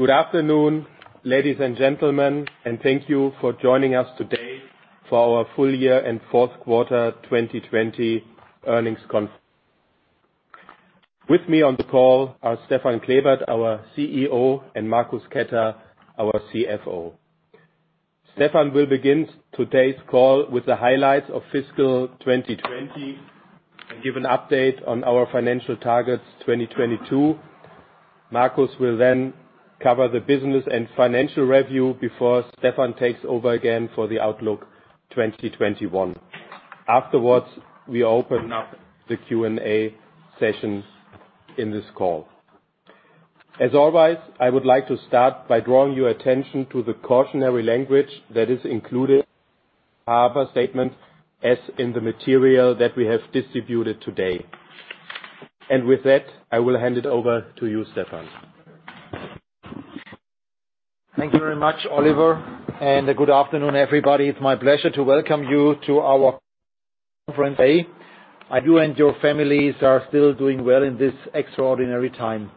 Good afternoon, ladies and gentlemen. Thank you for joining us today for our full year and Q4 2020 earnings conference. With me on the call are Stefan Klebert, our CEO, and Marcus Ketter, our CFO. Stefan will begin today's call with the highlights of fiscal 2020 and give an update on our financial targets 2022. Marcus will cover the business and financial review before Stefan takes over again for the outlook 2021. Afterwards, we open up the Q&A sessions in this call. As always, I would like to start by drawing your attention to the cautionary language that is included, forward-looking statement, as in the material that we have distributed today. With that, I will hand it over to you, Stefan. Thank you very much, Oliver. Good afternoon, everybody. It's my pleasure to welcome you to our conference day. I hope you and your families are still doing well in this extraordinary time.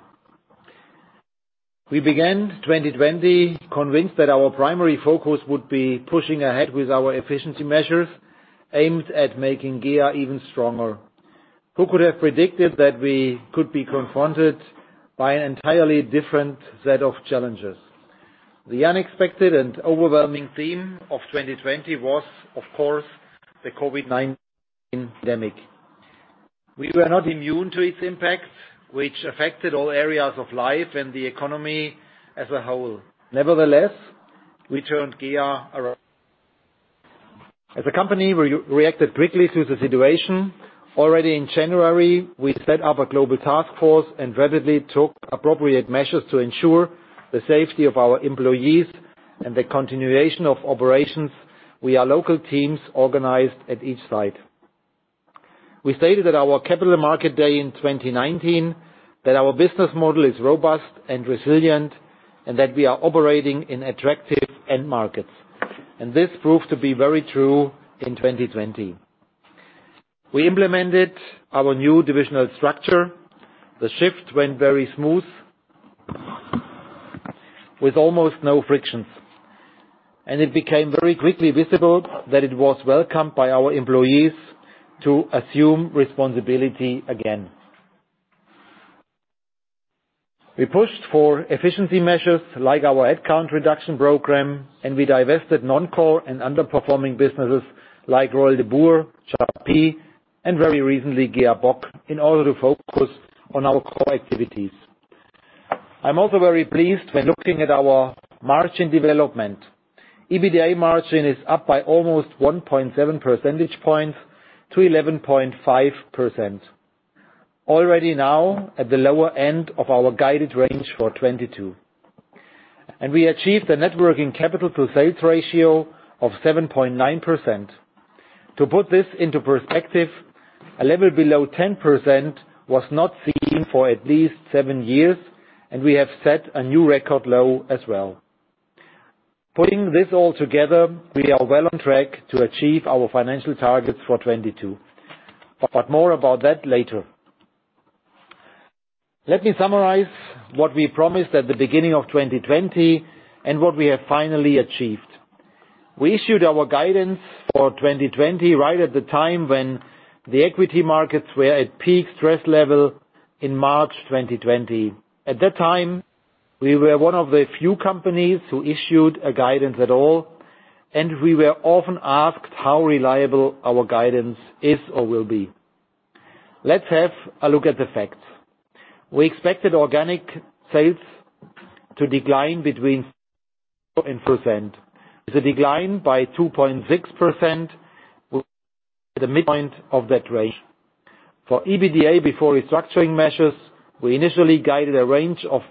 We began 2020 convinced that our primary focus would be pushing ahead with our efficiency measures aimed at making GEA even stronger. Who could have predicted that we could be confronted by an entirely different set of challenges? The unexpected and overwhelming theme of 2020 was, of course, the COVID-19 pandemic. We were not immune to its impact, which affected all areas of life and the economy as a whole. Nevertheless, we turned GEA around. As a company, we reacted quickly to the situation. Already in January, we set up a global task force and rapidly took appropriate measures to ensure the safety of our employees and the continuation of operations with our local teams organized at each site. We stated at our capital market day in 2019 that our business model is robust and resilient, and that we are operating in attractive end markets. This proved to be very true in 2020. We implemented our new divisional structure. The shift went very smooth with almost no frictions, and it became very quickly visible that it was welcomed by our employees to assume responsibility again. We pushed for efficiency measures like our headcount reduction program, and we divested non-core and underperforming businesses like Royal De Boer, Japy, and very recently, GEA Bock, in order to focus on our core activities. I am also very pleased when looking at our margin development. EBITDA margin is up by almost 1.7 percentage points to 11.5%. Already now at the lower end of our guided range for 2022. We achieved a net working capital to sales ratio of 7.9%. To put this into perspective, a level below 10% was not seen for at least seven years, and we have set a new record low as well. Putting this all together, we are well on track to achieve our financial targets for 2022. More about that later. Let me summarize what we promised at the beginning of 2020 and what we have finally achieved. We issued our guidance for 2020 right at the time when the equity markets were at peak stress level in March 2020. At that time, we were one of the few companies who issued a guidance at all, and we were often asked how reliable our guidance is or will be. Let's have a look at the facts. We expected organic sales to decline. With a decline by 2.6% at the midpoint of that range. For EBITDA, before restructuring measures, we initially guided a range of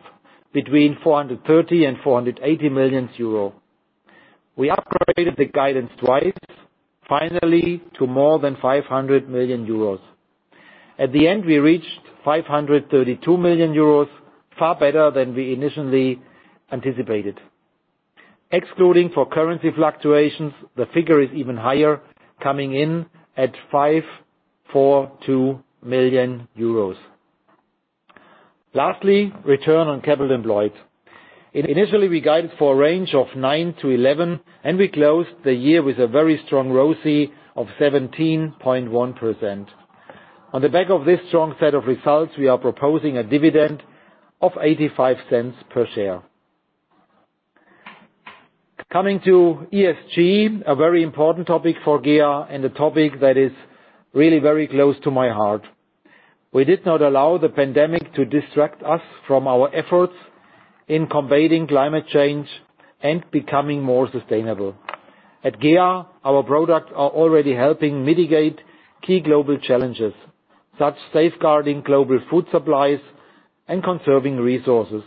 between 430 million and 480 million euro. We upgraded the guidance twice, finally to more than 500 million euros. At the end, we reached 532 million euros, far better than we initially anticipated. Excluding for currency fluctuations, the figure is even higher, coming in at 542 million euros. Lastly, return on capital employed. Initially, we guided for a range of 9- 11, and we closed the year with a very strong ROCE of 17.1%. On the back of this strong set of results, we are proposing a dividend of 0.85 per share. Coming to ESG, a very important topic for GEA and a topic that is really very close to my heart. We did not allow the pandemic to distract us from our efforts in combating climate change and becoming more sustainable. At GEA, our products are already helping mitigate key global challenges, such safeguarding global food supplies and conserving resources.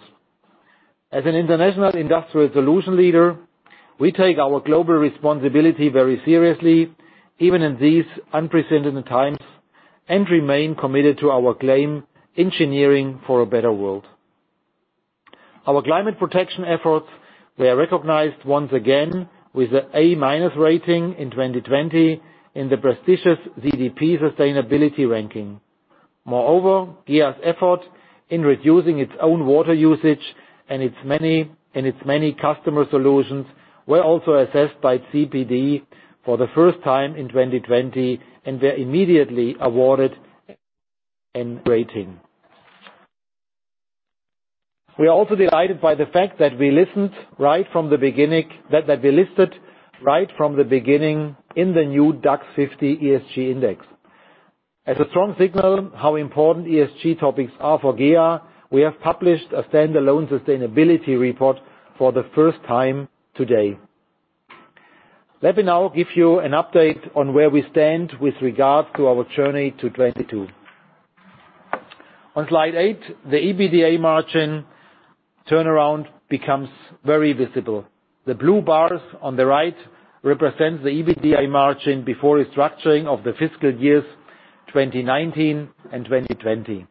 As an international industrial solution leader, we take our global responsibility very seriously, even in these unprecedented times, and remain committed to our claim, engineering for a better world. Our climate protection efforts were recognized once again with the A-minus rating in 2020 in the prestigious CDP sustainability ranking. Moreover, GEA's effort in reducing its own water usage and its many customer solutions were also assessed by CDP for the first time in 2020, and were immediately awarded an A rating. We are also delighted by the fact that we listed right from the beginning in the new DAX 50 ESG Index. As a strong signal how important ESG topics are for GEA, we have published a standalone sustainability report for the first time today. Let me now give you an update on where we stand with regard to our journey to 2022. On slide eight, the EBITDA margin turnaround becomes very visible. The blue bars on the right represent the EBITDA margin before restructuring of the fiscal years 2019 and 2020.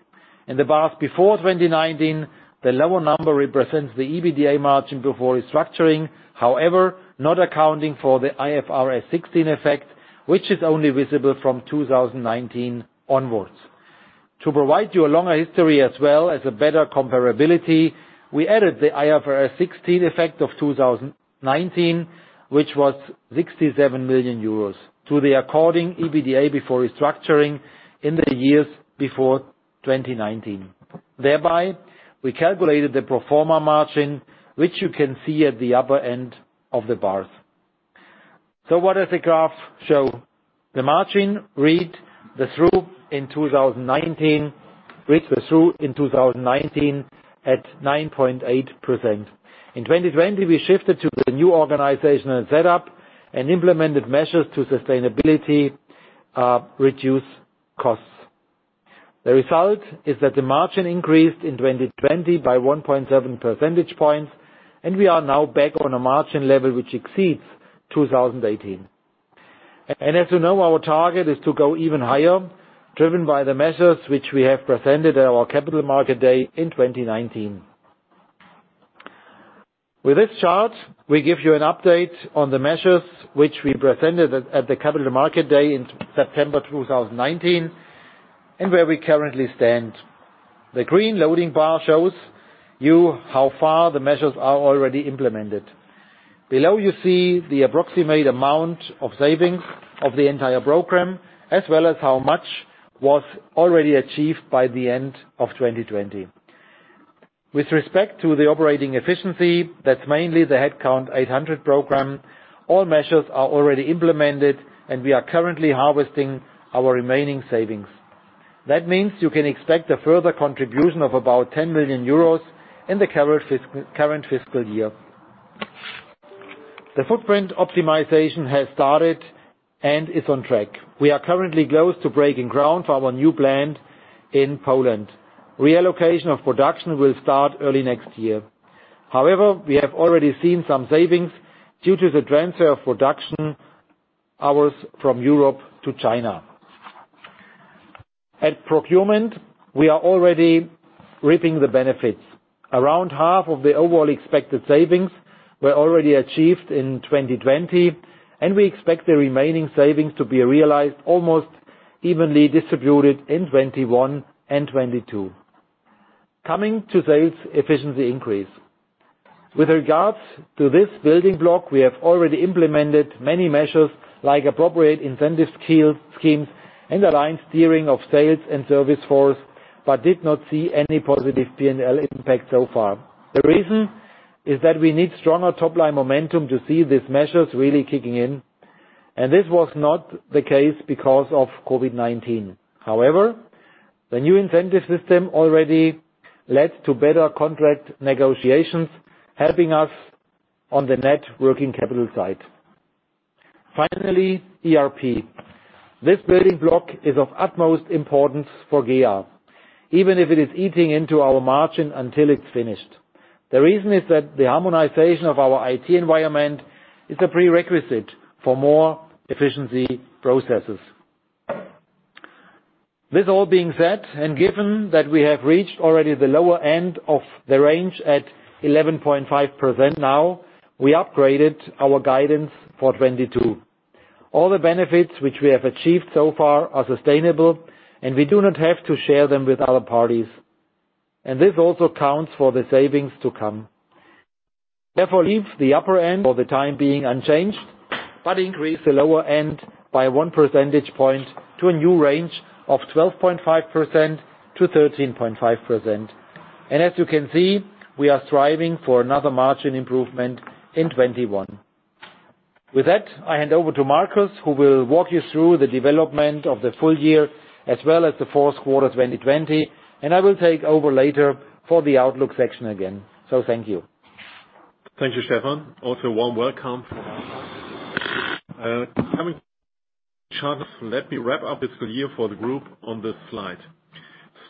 In the bars before 2019, the lower number represents the EBITDA margin before restructuring. However, not accounting for the IFRS 16 effect, which is only visible from 2019 onwards. To provide you a longer history as well as a better comparability, we added the IFRS 16 effect of 2019, which was 67 million euros, to the according EBITDA before restructuring in the years before 2019. Thereby, we calculated the pro forma margin, which you can see at the upper end of the bars. What does the graph show? The margin reached the trough in 2019 at 9.8%. In 2020, we shifted to the new organizational set-up and implemented measures to sustainably reduce costs. The result is that the margin increased in 2020 by 1.7 percentage points, and we are now back on a margin level which exceeds 2018. As you know, our target is to go even higher, driven by the measures which we have presented at our Capital Market Day in 2019. With this chart, we give you an update on the measures which we presented at the Capital Market Day in September 2019, and where we currently stand. The green loading bar shows you how far the measures are already implemented. Below you see the approximate amount of savings of the entire program, as well as how much was already achieved by the end of 2020. With respect to the operating efficiency, that's mainly the Headcount 800 program. All measures are already implemented, and we are currently harvesting our remaining savings. That means you can expect a further contribution of about 10 million euros in the current fiscal year. The footprint optimization has started and is on track. We are currently close to breaking ground for our new plant in Poland. Reallocation of production will start early next year. We have already seen some savings due to the transfer of production hours from Europe to China. At procurement, we are already reaping the benefits. Around half of the overall expected savings were already achieved in 2020, and we expect the remaining savings to be realized almost evenly distributed in 2021 and 2022. Coming to sales efficiency increase. With regards to this building block, we have already implemented many measures like appropriate incentive schemes and aligned steering of sales and service force, but did not see any positive P&L impact so far. The reason is that we need stronger top-line momentum to see these measures really kicking in, and this was not the case because of COVID-19. However, the new incentive system already led to better contract negotiations, helping us on the net working capital side. Finally, ERP. This building block is of utmost importance for GEA, even if it is eating into our margin until it's finished. The reason is that the harmonization of our IT environment is a prerequisite for more efficiency processes. This all being said, and given that we have reached already the lower end of the range at 11.5% now, we upgraded our guidance for 2022. All the benefits which we have achieved so far are sustainable. We do not have to share them with other parties. This also accounts for the savings to come. Therefore leave the upper end for the time being unchanged, increase the lower end by one percentage point to a new range of 12.5%-13.5%. As you can see, we are striving for another margin improvement in 2021. With that, I hand over to Markus, who will walk you through the development of the full year as well as the Q4 2020, and I will take over later for the outlook section again. Thank you. Thank you, Stefan. Also, warm welcome. Coming let me wrap up this year for the Group on this slide.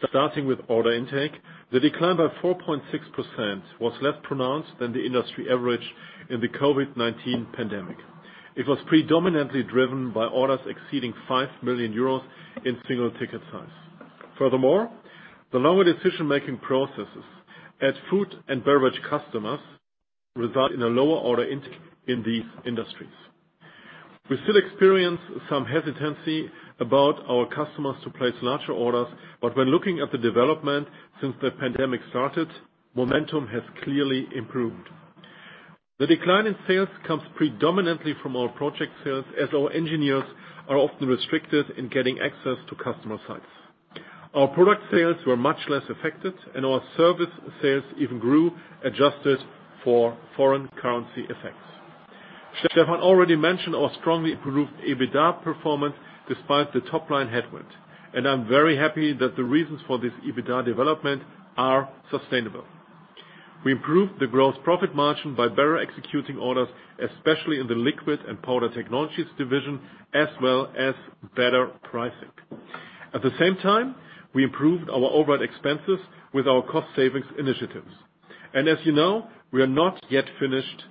Starting with order intake. The decline by 4.6% was less pronounced than the industry average in the COVID-19 pandemic. It was predominantly driven by orders exceeding 5 million euros in single ticket size. Furthermore, the longer decision-making processes at food and beverage customers result in a lower order intake in these industries. We still experience some hesitancy about our customers to place larger orders. When looking at the development since the pandemic started, momentum has clearly improved. The decline in sales comes predominantly from our project sales, as our engineers are often restricted in getting access to customer sites. Our product sales were much less affected, and our service sales even grew, adjusted for foreign currency effects. Stefan already mentioned our strongly improved EBITDA performance despite the top-line headwind. I'm very happy that the reasons for this EBITDA development are sustainable. We improved the gross profit margin by better executing orders, especially in the Liquid & Powder Technologies division, as well as better pricing. At the same time, we improved our overall expenses with our cost savings initiatives. As you know, we are not yet finished.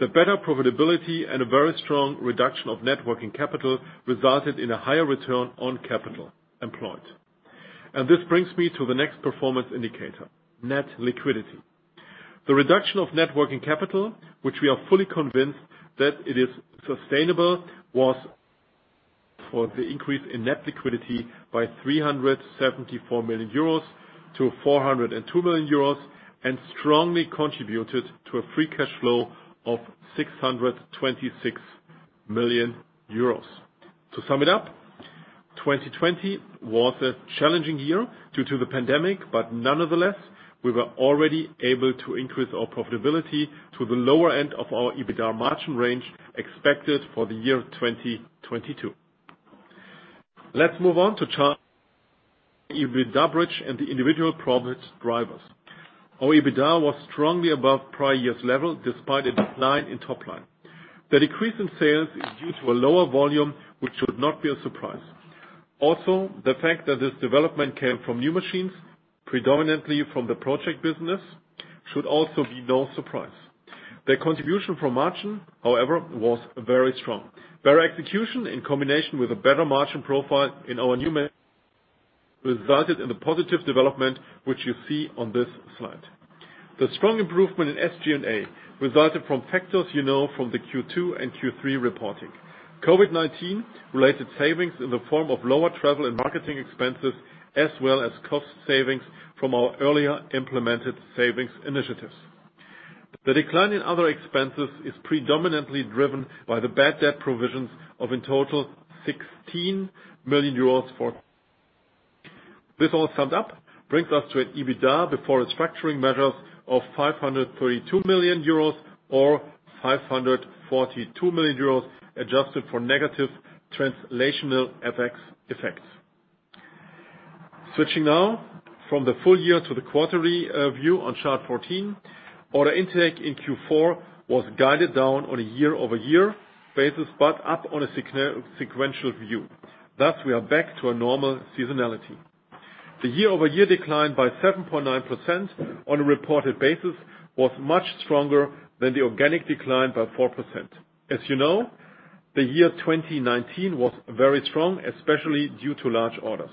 The better profitability and a very strong reduction of net working capital resulted in a higher return on capital employed. This brings me to the next performance indicator, net liquidity. The reduction of net working capital, which we are fully convinced that it is sustainable, was for the increase in net liquidity by 374 million euros to 402 million euros and strongly contributed to a free cash flow of 626 million euros. To sum it up, 2020 was a challenging year due to the pandemic. Nonetheless, we were already able to increase our profitability to the lower end of our EBITDA margin range expected for the year 2022. Let's move on to chart EBITDA bridge and the individual profit drivers. Our EBITDA was strongly above prior year's level despite a decline in top line. The decrease in sales is due to a lower volume, which should not be a surprise. The fact that this development came from new machines, predominantly from the project business, should also be no surprise. The contribution from margin, however, was very strong. Better execution in combination with a better margin profile in our new resulted in the positive development, which you see on this slide. The strong improvement in SG&A resulted from factors you know from the Q2 and Q3 reporting. COVID-19 related savings in the form of lower travel and marketing expenses, as well as cost savings from our earlier implemented savings initiatives. The decline in other expenses is predominantly driven by the bad debt provisions of in total 16 million euros. This all summed up brings us to an EBITDA before restructuring measures of 532 million euros or 542 million euros adjusted for negative translational FX effects. Switching now from the full year to the quarterly view on chart 14. Order intake in Q4 was guided down on a year-over-year basis, but up on a sequential view. Thus, we are back to a normal seasonality. The year-over-year decline by 7.9% on a reported basis was much stronger than the organic decline by four percent. As you know, the year 2019 was very strong, especially due to large orders.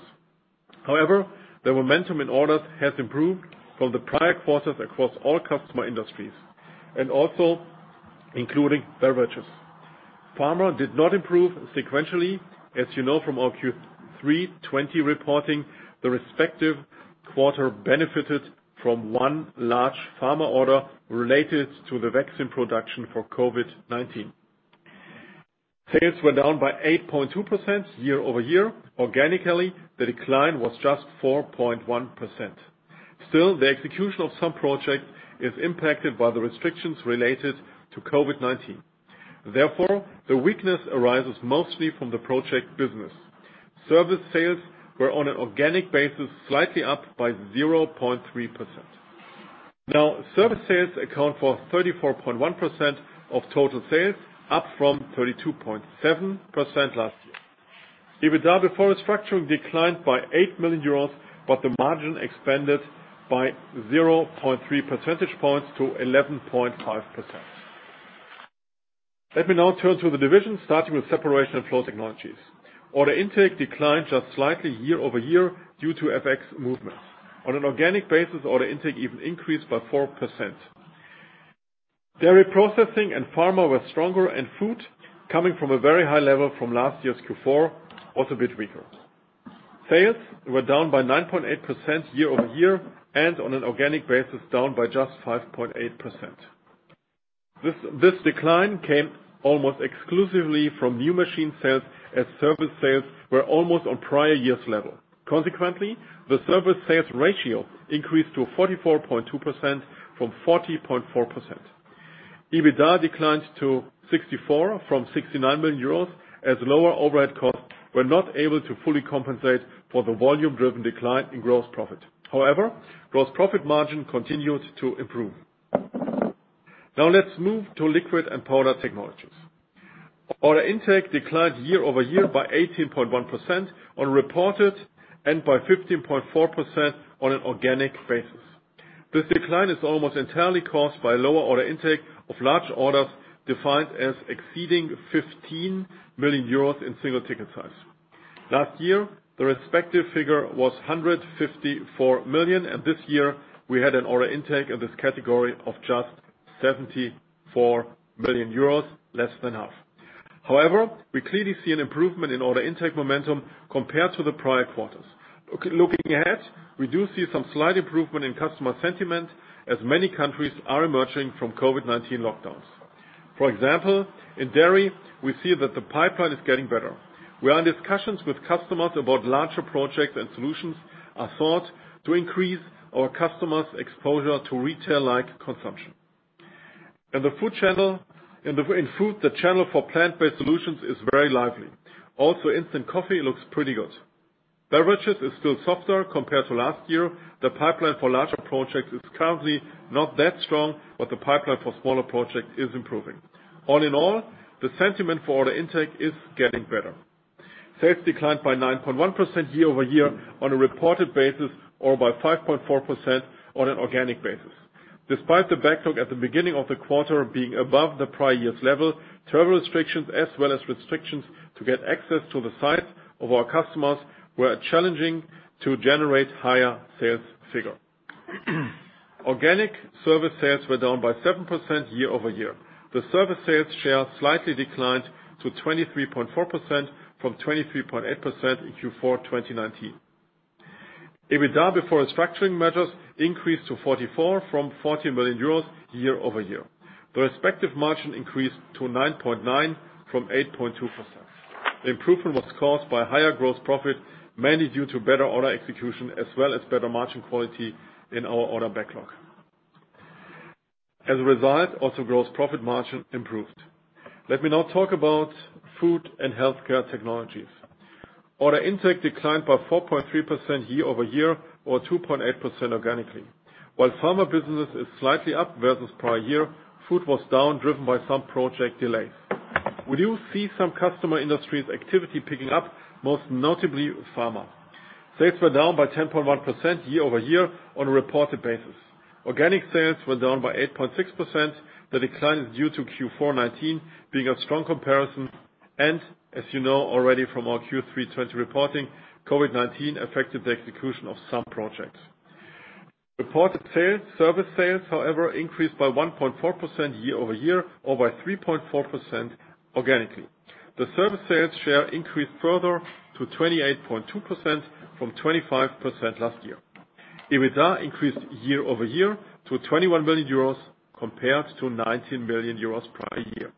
However, the momentum in orders has improved from the prior quarters across all customer industries, and also including beverages. Pharma did not improve sequentially. As you know from our Q3 2020 reporting, the respective quarter benefited from one large pharma order related to the vaccine production for COVID-19. Sales were down by 8.2% year-over-year. Organically, the decline was just 4.1%. Still, the execution of some projects is impacted by the restrictions related to COVID-19. Therefore, the weakness arises mostly from the project business. Service sales were on an organic basis, slightly up by 0.3%. Now, service sales account for 34.1% of total sales, up from 32.7% last year. EBITDA before restructuring declined by 8 million euros, but the margin expanded by 0.3 percentage points to 11.5%. Let me now turn to the division, starting with Separation & Flow Technologies. Order intake declined just slightly year-over-year due to FX movements. On an organic basis, order intake even increased by four percent. Dairy processing and pharma were stronger, and food, coming from a very high level from last year's Q4, was a bit weaker. Sales were down by 9.8% year-over-year, and on an organic basis, down by just 5.8%. This decline came almost exclusively from new machine sales as service sales were almost on prior year's level. Consequently, the service sales ratio increased to 44.2% from 40.4%. EBITDA declined to 64 million from 69 million euros, as lower overhead costs were not able to fully compensate for the volume-driven decline in gross profit. However, gross profit margin continued to improve. Now let's move to Liquid & Powder Technologies. Order intake declined year-over-year by 18.1% on reported and by 15.4% on an organic basis. This decline is almost entirely caused by lower order intake of large orders defined as exceeding 15 million euros in single ticket size. Last year, the respective figure was 154 million. This year we had an order intake in this category of just 74 million euros, less than half. We clearly see an improvement in order intake momentum compared to the prior quarters. Looking ahead, we do see some slight improvement in customer sentiment as many countries are emerging from COVID-19 lockdowns. For example, in dairy, we see that the pipeline is getting better. We are in discussions with customers about larger projects and solutions are sought to increase our customers' exposure to retail-like consumption. In food, the channel for plant-based solutions is very lively. Instant coffee looks pretty good. Beverages is still softer compared to last year. The pipeline for larger projects is currently not that strong, but the pipeline for smaller projects is improving. All in all, the sentiment for order intake is getting better. Sales declined by 9.1% year-over-year on a reported basis or by 5.4% on an organic basis. Despite the backlog at the beginning of the quarter being above the prior year's level, travel restrictions as well as restrictions to get access to the site of our customers were challenging to generate higher sales figure. Organic service sales were down by seven percent year-over-year. The service sales share slightly declined to 23.4% from 23.8% in Q4 2019. EBITDA before restructuring measures increased to 44 million from 40 million euros year-over-year. The respective margin increased to 9.9% from 8.2%. Improvement was caused by higher gross profit, mainly due to better order execution as well as better margin quality in our order backlog. As a result, also gross profit margin improved. Let me now talk about Food and Healthcare Technologies. Order intake declined by 4.3% year-over-year or 2.8% organically. While pharma business is slightly up versus prior year, food was down, driven by some project delays. We do see some customer industries activity picking up, most notably pharma. Sales were down by 10.1% year-over-year on a reported basis. Organic sales were down by 8.6%. The decline is due to Q4 2019 being a strong comparison and, as you know already from our Q3 2020 reporting, COVID-19 affected the execution of some projects. Reported sales, service sales, however, increased by 1.4% year-over-year or by 3.4% organically. The service sales share increased further to 28.2% from 25% last year. EBITDA increased year-over-year to 21 million euros compared to 19 million euros prior year.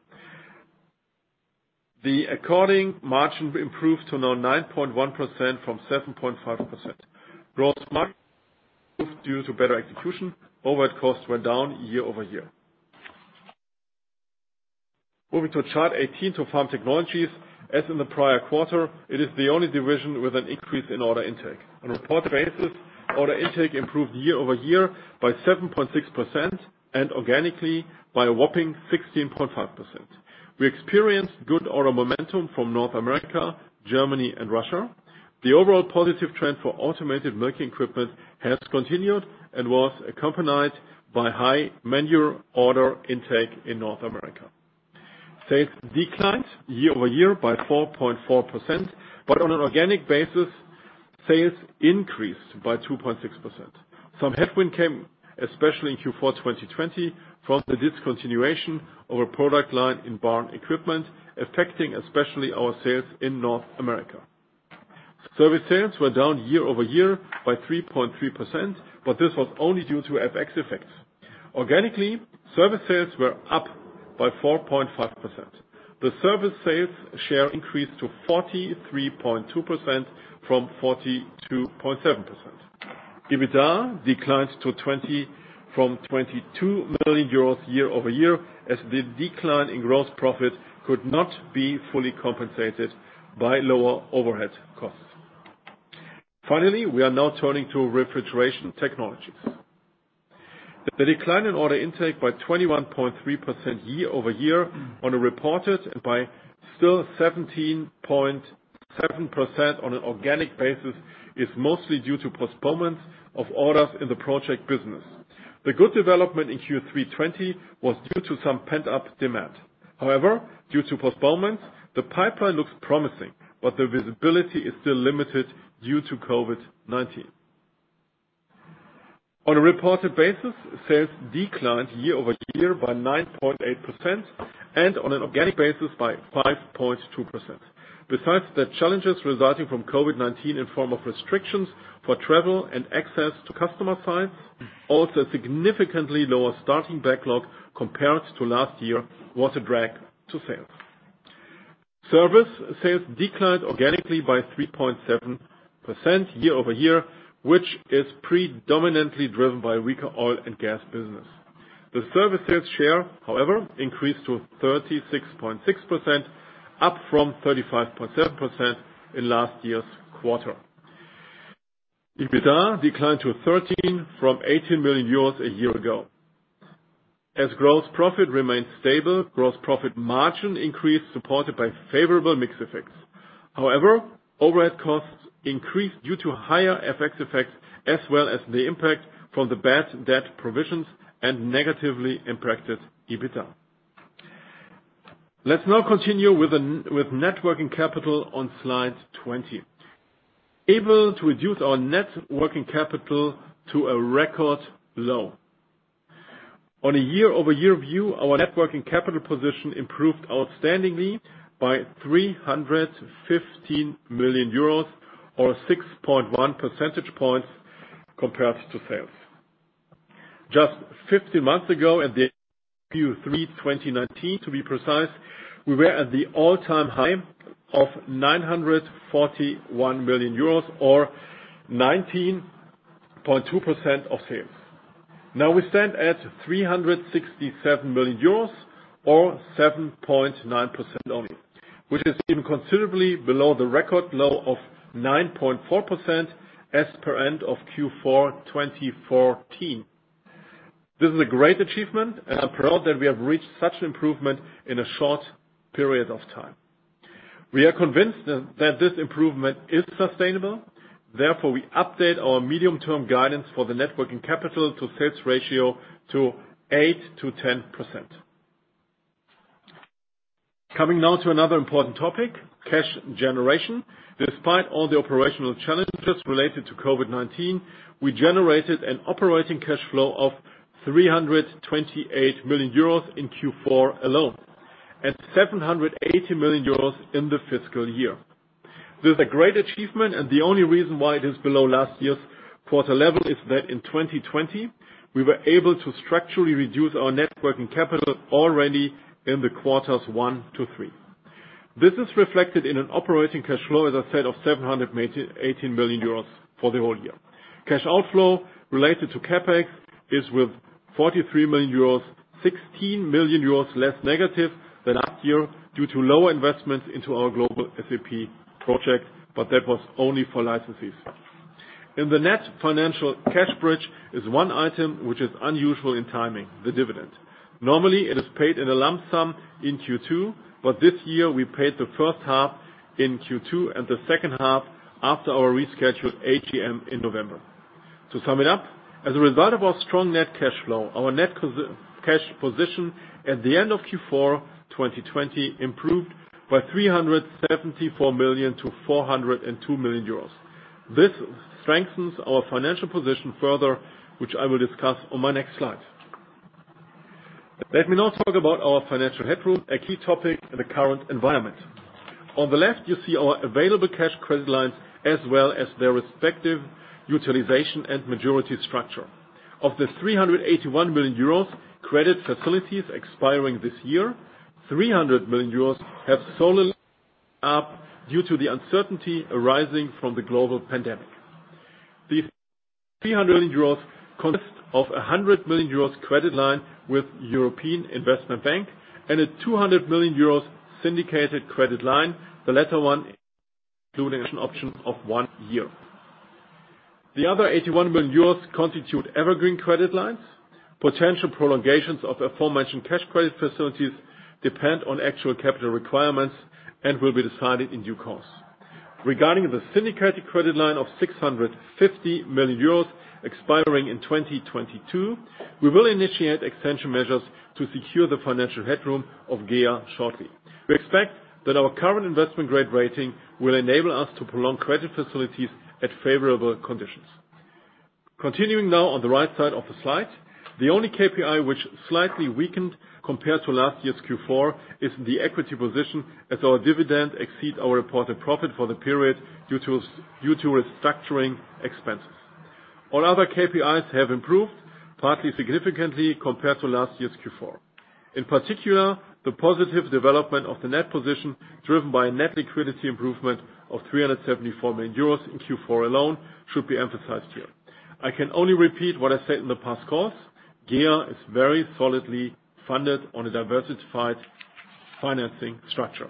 The according margin improved to now 9.1% from 7.5%. Gross margin improved due to better execution. Overhead costs were down year-over-year. Moving to chart 18 to Farm Technologies, as in the prior quarter, it is the only division with an increase in order intake. On a reported basis, order intake improved year-over-year by 7.6% and organically by a whopping 16.5%. We experienced good order momentum from North America, Germany, and Russia. The overall positive trend for automated milking equipment has continued and was accompanied by high manure order intake in North America. Sales declined year-over-year by 4.4%, on an organic basis, sales increased by 2.6%. Some headwind came, especially in Q4 2020, from the discontinuation of a product line in barn equipment, affecting especially our sales in North America. Service sales were down year over year by 3.3%, but this was only due to FX effects. Organically, service sales were up by 4.5%. The service sales share increased to 43.2% from 42.7%. EBITDA declined to 20 million from 22 million euros year over year, as the decline in gross profit could not be fully compensated by lower overhead costs. We are now turning to refrigeration technologies. The decline in order intake by 21.3% year over year on a reported, and by still 17.7% on an organic basis, is mostly due to postponements of orders in the project business. The good development in Q3 2020 was due to some pent-up demand. Due to postponements, the pipeline looks promising, but the visibility is still limited due to COVID-19. On a reported basis, sales declined year-over-year by 9.8% and on an organic basis by 5.2%. Besides the challenges resulting from COVID-19 in form of restrictions for travel and access to customer sites, also significantly lower starting backlog compared to last year was a drag to sales. Service sales declined organically by 3.7% year-over-year, which is predominantly driven by weaker oil and gas business. The service sales share, however, increased to 36.6%, up from 35.7% in last year's quarter. EBITDA declined to 13 million from 18 million euros a year ago. As gross profit remained stable, gross profit margin increased, supported by favorable mix effects. However, overhead costs increased due to higher FX effects as well as the impact from the bad debt provisions and negatively impacted EBITDA. Let's now continue with net working capital on slide 20. We were able to reduce our net working capital to a record low. On a year-over-year view, our net working capital position improved outstandingly by 315 million euros or 6.1 percentage points compared to sales. Just 15 months ago at the Q3 2019, to be precise, we were at the all-time high of 941 million euros or 19.2% of sales. Now we stand at 367 million euros or 7.9% only, which is even considerably below the record low of 9.4% as per end of Q4 2014. This is a great achievement, and I'm proud that we have reached such improvement in a short period of time. We are convinced that this improvement is sustainable. Therefore, we update our medium-term guidance for the net working capital to sales ratio to 8% - 10%. Coming now to another important topic, cash generation. Despite all the operational challenges related to COVID-19, we generated an operating cash flow of 328 million euros in Q4 alone, and 780 million euros in the fiscal year. This is a great achievement, and the only reason why it is below last year's quarter level is that in 2020, we were able to structurally reduce our net working capital already in the quarters one - three. This is reflected in an operating cash flow, as I said, of 718 million euros for the whole year. Cash outflow related to CapEx is, with 43 million euros, 16 million euros less negative than last year due to lower investments into our global SAP project, but that was only for licensees. In the net financial cash bridge is one item which is unusual in timing, the dividend. Normally, it is paid in a lump sum in Q2, but this year we paid the first half in Q2 and the second half after our rescheduled AGM in November. To sum it up, as a result of our strong net cash flow, our net cash position at the end of Q4 2020 improved by 374 million to 402 million euros. This strengthens our financial position further, which I will discuss on my next slide. Let me now talk about our financial headroom, a key topic in the current environment. On the left, you see our available cash credit lines as well as their respective utilization and maturity structure. Of the 381 million euros credit facilities expiring this year, 300 million euros have solely up due to the uncertainty arising from the global pandemic. These 300 million euros consist of 100 million euros credit line with European Investment Bank and a 200 million euros syndicated credit line. The latter one including an option of one year. The other 81 million euros constitute evergreen credit lines. Potential prolongations of aforementioned cash credit facilities depend on actual capital requirements and will be decided in due course. Regarding the syndicated credit line of 650 million euros expiring in 2022, we will initiate extension measures to secure the financial headroom of GEA shortly. We expect that our current investment-grade rating will enable us to prolong credit facilities at favorable conditions. Continuing now on the right side of the slide. The only KPI which slightly weakened compared to last year's Q4 is the equity position, as our dividend exceed our reported profit for the period due to restructuring expenses. All other KPIs have improved, partly significantly, compared to last year's Q4. In particular, the positive development of the net position driven by net liquidity improvement of 374 million euros in Q4 alone should be emphasized here. I can only repeat what I said in the past calls. GEA is very solidly funded on a diversified financing structure.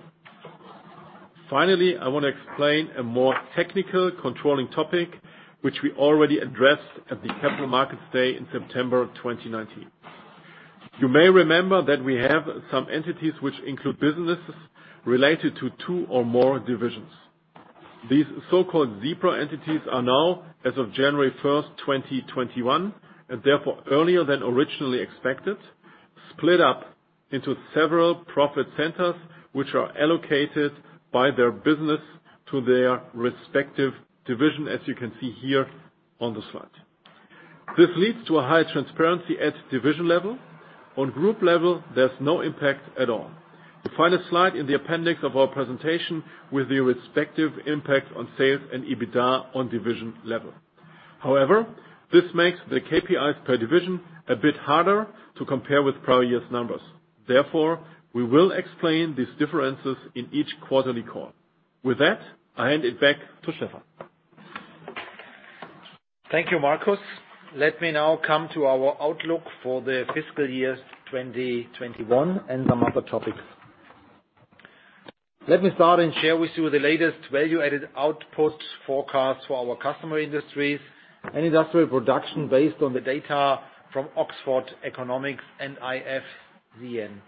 Finally, I want to explain a more technical controlling topic, which we already addressed at the Capital Markets Day in September 2019. You may remember that we have some entities which include businesses related to two or more divisions. These so-called zebra entities are now, as of January 1st, 2021, and therefore earlier than originally expected, split up into several profit centers, which are allocated by their business to their respective division, as you can see here on the slide. This leads to a higher transparency at division level. On group level, there's no impact at all. The final slide in the appendix of our presentation with the respective impact on sales and EBITDA on division level. However, this makes the KPIs per division a bit harder to compare with prior year's numbers. Therefore, we will explain these differences in each quarterly call. With that, I hand it back to Stefan. Thank you, Markus. Let me now come to our outlook for the FY 2021 and some other topics. Let me start and share with you the latest value-added output forecast for our customer industries and industrial production based on the data from Oxford Economics and IFCN.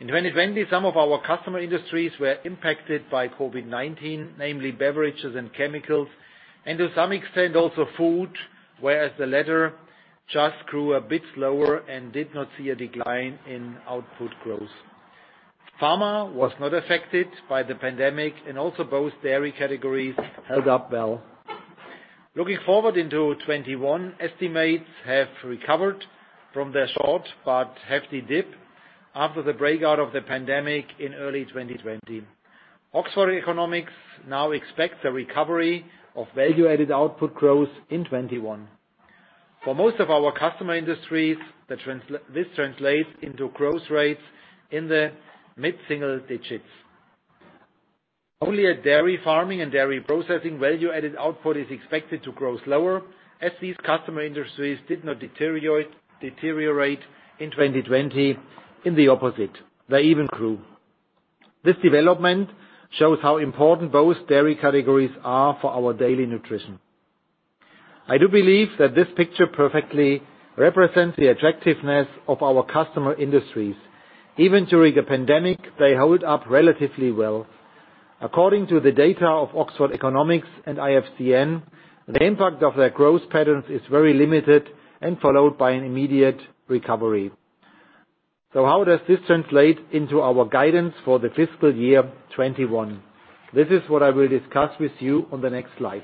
In 2020, some of our customer industries were impacted by COVID-19, namely beverages and chemicals, and to some extent, also food, whereas the latter just grew a bit slower and did not see a decline in output growth. Pharma was not affected by the pandemic, also both dairy categories held up well. Looking forward into 2021, estimates have recovered from their short but hefty dip after the breakout of the pandemic in early 2020. Oxford Economics now expects a recovery of value-added output growth in 2021. For most of our customer industries, this translates into growth rates in the mid-single digits. Only at dairy farming and dairy processing value-added output is expected to grow slower, as these customer industries did not deteriorate in 2020. In the opposite, they even grew. This development shows how important both dairy categories are for our daily nutrition. I do believe that this picture perfectly represents the attractiveness of our customer industries. Even during a pandemic, they hold up relatively well. According to the data of Oxford Economics and IFCN, the impact of their growth patterns is very limited and followed by an immediate recovery. How does this translate into our guidance for the fiscal year 2021? This is what I will discuss with you on the next slide.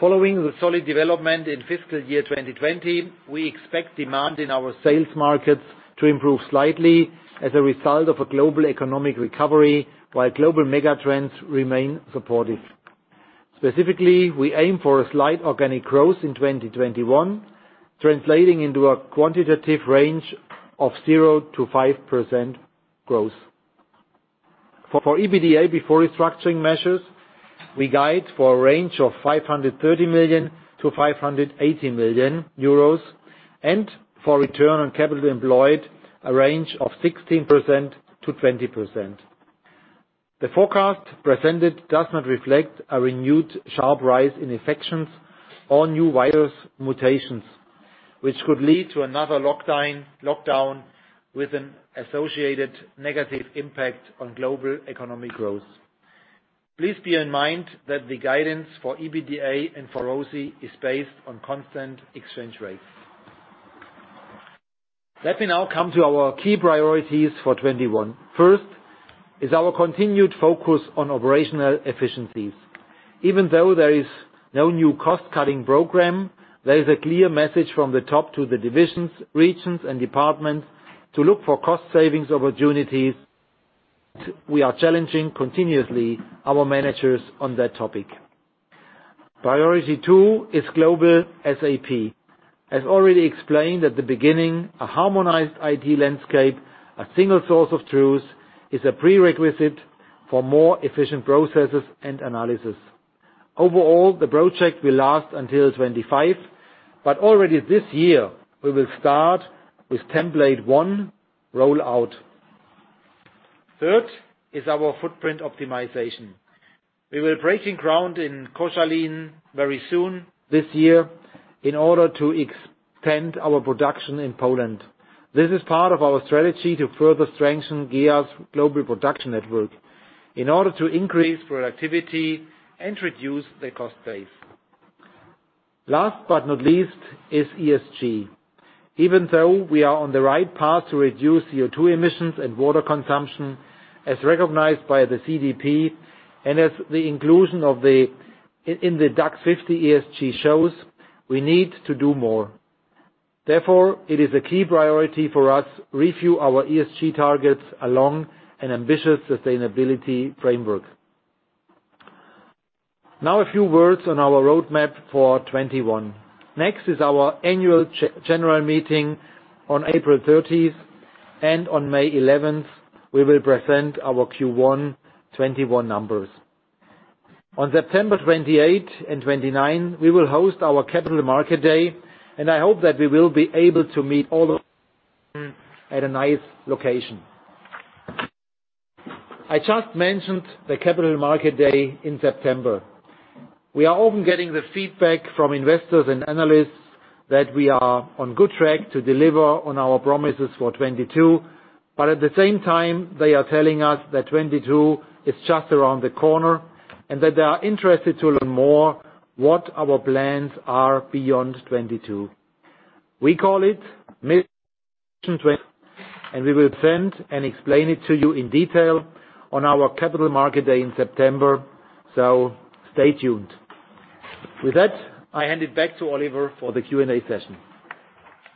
Following the solid development in fiscal year 2020, we expect demand in our sales markets to improve slightly as a result of a global economic recovery, while global mega trends remain supportive. Specifically, we aim for a slight organic growth in 2021, translating into a quantitative range of 0%-5% growth. For EBITDA before restructuring measures, we guide for a range of 530 million-580 million euros, and for return on capital employed, a range of 16%-20%. The forecast presented does not reflect a renewed sharp rise in infections or new virus mutations, which could lead to another lockdown with an associated negative impact on global economic growth. Please bear in mind that the guidance for EBITDA and for ROCE is based on constant exchange rates. Let me now come to our key priorities for 2021. First is our continued focus on operational efficiencies. Even though there is no new cost-cutting program, there is a clear message from the top to the divisions, regions, and departments to look for cost savings opportunities. We are challenging continuously our managers on that topic. Priority two is global SAP. As already explained at the beginning, a harmonized IT landscape, a single source of truth, is a prerequisite for more efficient processes and analysis. Overall, the project will last until 2025, but already this year we will start with template one roll out. Third is our footprint optimization. We will be breaking ground in Koszalin very soon this year in order to extend our production in Poland. This is part of our strategy to further strengthen GEA's global production network in order to increase productivity and reduce the cost base. Last but not least is ESG. Even though we are on the right path to reduce CO2 emissions and water consumption, as recognized by the CDP and as the inclusion in the DAX 50 ESG shows, we need to do more. Therefore, it is a key priority for us to review our ESG targets along an ambitious sustainability framework. Now a few words on our roadmap for 2021. Next is our Annual General Meeting on April 30th, and on May 11th, we will present our Q1 2021 numbers. On September 28 and 29, we will host our Capital Market Day, and I hope that we will be able to meet all of you at a nice location. I just mentioned the Capital Market Day in September. We are often getting the feedback from investors and analysts that we are on good track to deliver on our promises for 2022, but at the same time, they are telling us that 2022 is just around the corner, and that they are interested to learn more what our plans are beyond 2022. We call it and we will present and explain it to you in detail on our Capital Market Day in September. Stay tuned. With that, I hand it back to Oliver for the Q&A session.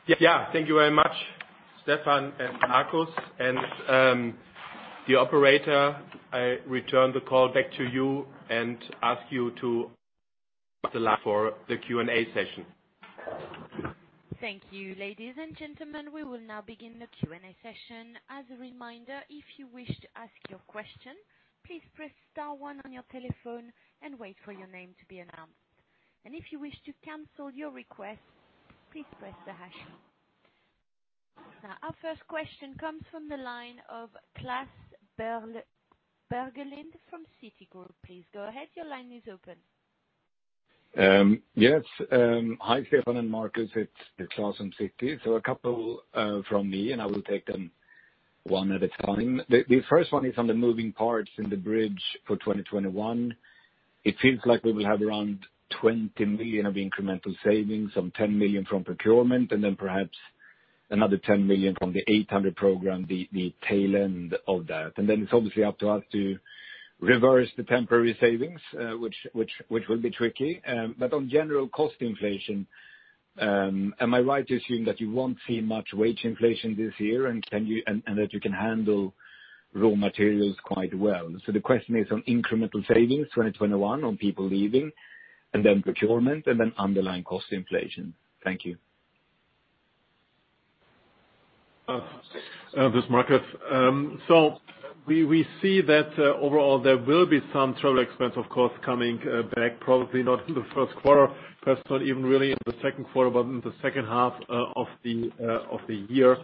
Yeah. Thank you very much, Stefan and Markus. The operator, I return the call back to you and ask you to for the Q&A session. Thank you. Ladies and gentlemen, we will now begin the Q&A session. As a reminder, if you wish to ask your question, please press star one on your telephone and wait for your name to be announced. If you wish to cancel your request, please press the hash key. Our first question comes from the line of Klas Bergelind from Citigroup. Please go ahead. Your line is open. Yes. Hi, Stefan and Markus. It's Klas from Citi. A couple from me, and I will take them one at a time. The first one is on the moving parts in the bridge for 2021. It seems like we will have around 20 million of incremental savings, some 10 million from procurement, and then perhaps another 10 million from the 800 program, the tail end of that. It's obviously up to us to reverse the temporary savings, which will be tricky. On general cost inflation, am I right to assume that you won't see much wage inflation this year, and that you can handle raw materials quite well? The question is on incremental savings 2021 on people leaving, and then procurement, and then underlying cost inflation. Thank you. This is Markus. We see that overall there will be some travel expense, of course, coming back, probably not in the Q1. Perhaps not even really in the Q2, but in the second half of the year.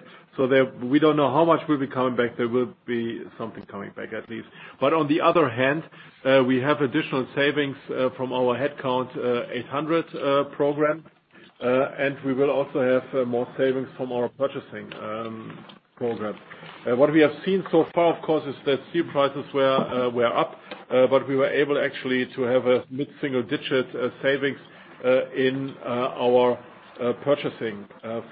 We don't know how much will be coming back. There will be something coming back, at least. On the other hand, we have additional savings from our Headcount 800 program. We will also have more savings from our purchasing program. What we have seen so far, of course, is that steel prices were up, but we were able actually to have a mid-single digit savings in our purchasing of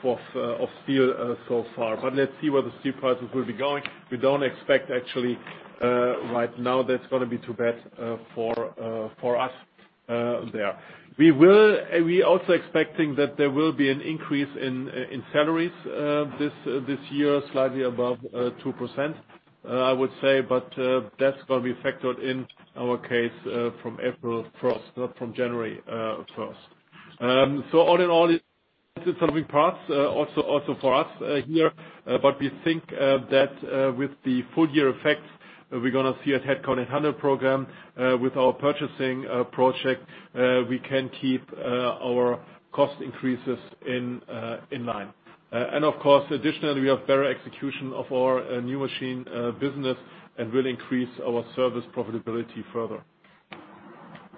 steel so far. Let's see where the steel prices will be going. We don't expect actually right now that it's going to be too bad for us there. We also expecting that there will be an increase in salaries this year, slightly above two percent, I would say. That's going to be factored in our case from April 1st, not from January 1st. All in all, it's something perhaps also for us here. We think that with the full year effects, we're going to see a Headcount 800 program with our purchasing project. We can keep our cost increases in line. Of course, additionally, we have better execution of our new machine business and will increase our service profitability further.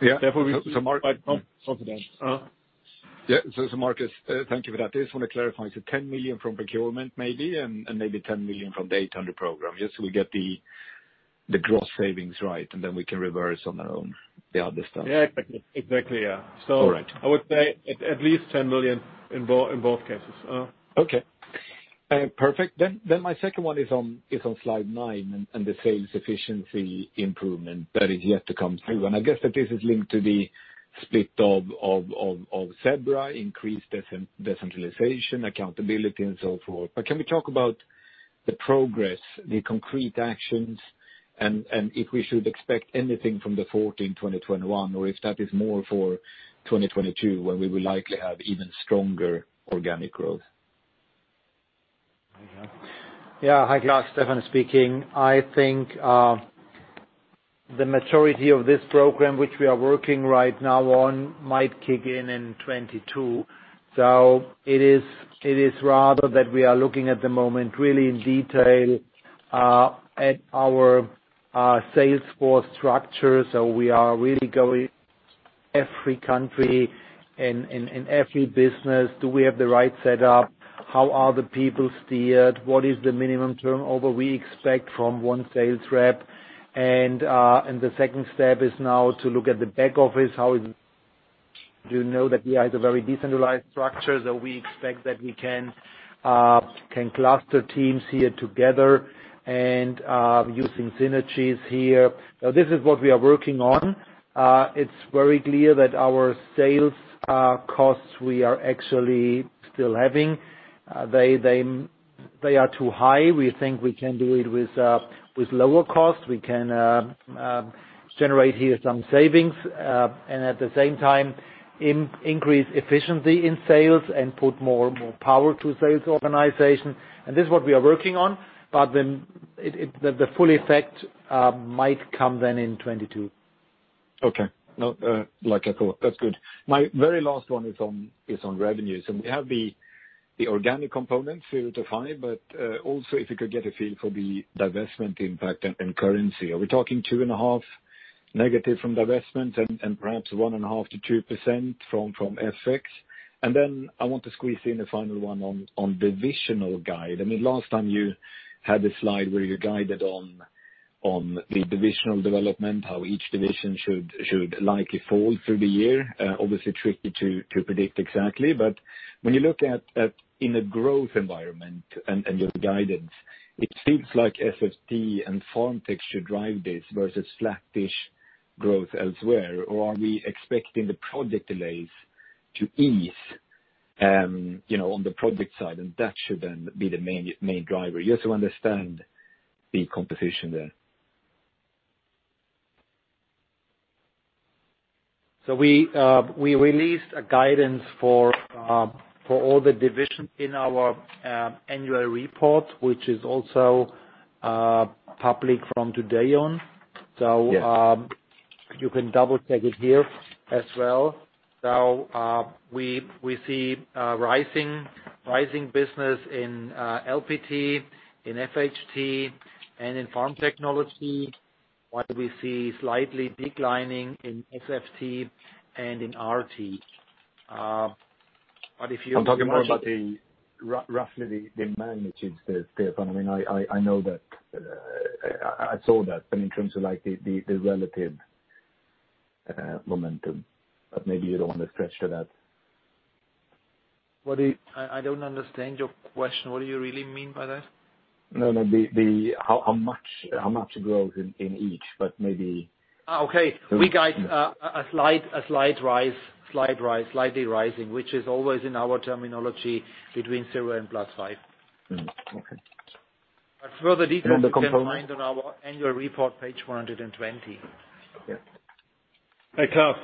Yeah. Therefore we are quite confident. Marcus, thank you for that. I just want to clarify, so 10 million from procurement maybe, and maybe 10 million from the 800 program. We get the gross savings right, and then we can reverse on our own the other stuff. Yeah, exactly. All right. I would say at least 10 million in both cases. Okay. Perfect. My second one is on slide nine and the sales efficiency improvement that is yet to come through. I guess that this is linked to the split of zebra, increased decentralization, accountability, and so forth. Can we talk about the progress, the concrete actions, and if we should expect anything from the fourth in 2021 or if that is more for 2022, when we will likely have even stronger organic growth? Yeah. Hi, Klas. Stefan speaking. I think the maturity of this program, which we are working right now on, might kick in in 2022. It is rather that we are looking at the moment really in detail at our sales force structure. We are really going every country and every business. Do we have the right setup? How are the people steered? What is the minimum turnover we expect from one sales rep? The second step is now to look at the back office. You know that we have a very decentralized structure, that we expect that we can cluster teams here together and using synergies here. This is what we are working on. It's very clear that our sales costs we are actually still having, they are too high. We think we can do it with lower cost. We can generate here some savings, and at the same time increase efficiency in sales and put more power to sales organization. This is what we are working on. The full effect might come then in 2022. Okay. No, like I thought. That's good. My very last one is on revenues, we have the organic component to define it. Also if you could get a feel for the divestment impact and currency. Are we talking 2.5 negative from divestment and perhaps 1.5%-2% from FX? Then I want to squeeze in a final one on divisional guide. Last time you had a slide where you guided on the divisional development, how each division should likely fall through the year. Obviously tricky to predict exactly. When you look at in a growth environment and your guidance, it seems like SFT and FarmTech should drive this versus flat-ish growth elsewhere. Are we expecting the project delays to ease on the project side and that should then be the main driver? Just to understand the composition there. We released a guidance for all the divisions in our annual report, which is also public from today on. Yes. You can double check it here as well. We see a rising business in LPT, in FHT, and in Farm Technology. What we see slightly declining in SFT and in RT. But if you- I'm talking more about roughly the magnitudes, Stefan. I know that. I saw that, but in terms of the relative momentum, but maybe you don't want to stretch to that. I don't understand your question. What do you really mean by that? No, how much growth in each, but maybe. Okay. We guide a slight rise, slightly rising, which is always in our terminology between zero and plus five. Okay. A further detail you can find on our annual report, page 120. Okay. Hey, Klas.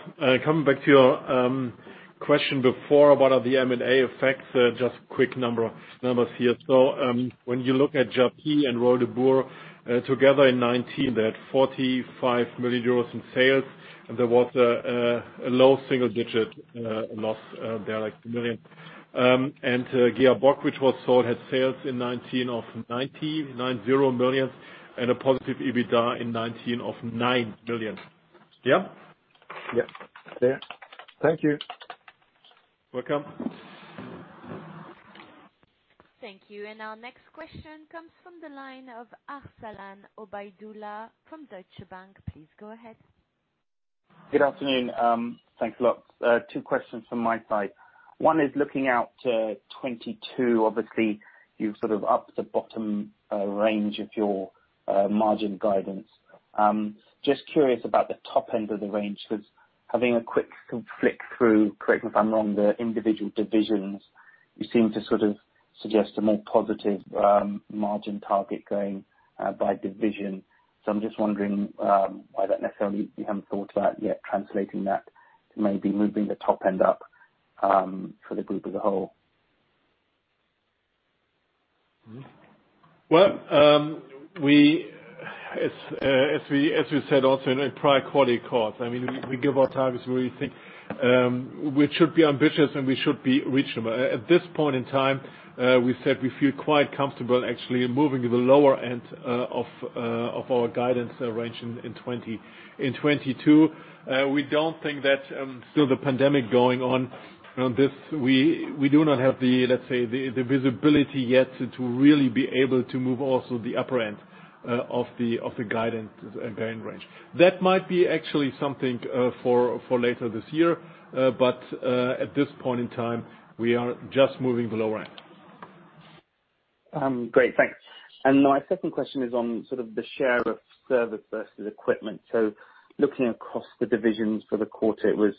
Coming back to your question before about the M&A effects, just quick numbers here. When you look at Japy and Royal De Boer, together in 2019, they had 45 million euros in sales, and there was a low single-digit loss. GEA Bock, which was sold, had sales in 2019 of 990 million and a positive EBITDA in 2019 of 9 billion. Yeah? Yeah. Clear. Thank you. Welcome. Thank you. Our next question comes from the line of Arsalan Obaidullah from Deutsche Bank. Please go ahead. Good afternoon. Thanks a lot. Two questions from my side. One is looking out to 2022, obviously, you've sort of upped the bottom range of your margin guidance. Just curious about the top end of the range, because having a quick flick through, correct me if I'm wrong, the individual divisions, you seem to sort of suggest a more positive margin target going by division. I'm just wondering why that necessarily you haven't thought about yet translating that to maybe moving the top end up for the group as a whole. As we said also in our prior quarterly calls, we give our targets where we think we should be ambitious, and we should be reachable. At this point in time, we said we feel quite comfortable actually in moving the lower end of our guidance range in 2022. We don't think that, still the pandemic going on, we do not have, let's say, the visibility yet to really be able to move also the upper end of the guidance range. That might be actually something for later this year. At this point in time, we are just moving the lower end. Great, thanks. My second question is on sort of the share of service versus equipment. Looking across the divisions for the quarter, it was,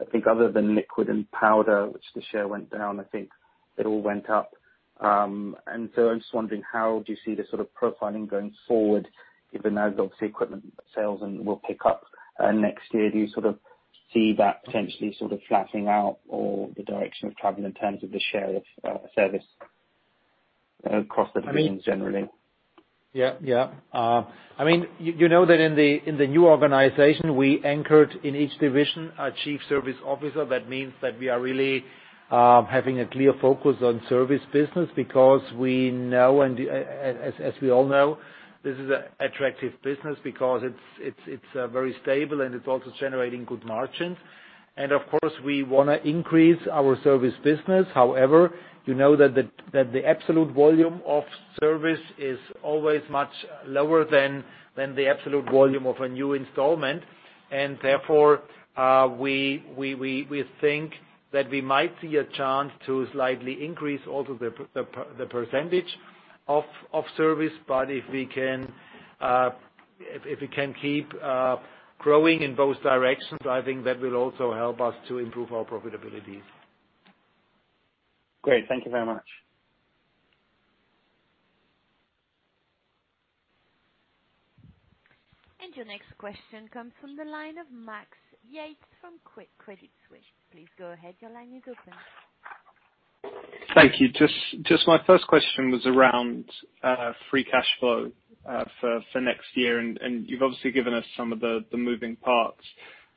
I think other than Liquid & Powder, which the share went down, I think it all went up. I am just wondering, how do you see the sort of profiling going forward, given as obviously equipment sales will pick up next year? Do you sort of see that potentially sort of flattening out or the direction of travel in terms of the share of service across the division generally? Yeah. You know that in the new organization, we anchored in each division a chief service officer. That means that we are really having a clear focus on service business because we know, and as we all know, this is an attractive business because it's very stable, and it's also generating good margins. Of course, we want to increase our service business. However, you know that the absolute volume of service is always much lower than the absolute volume of a new installment. Therefore, we think that we might see a chance to slightly increase also the percentage of service. If we can keep growing in both directions, I think that will also help us to improve our profitability. Great. Thank you very much. Your next question comes from the line of Max Yates from Credit Suisse. Please go ahead. Your line is open. Thank you. Just my first question was around free cash flow for next year. You've obviously given us some of the moving parts.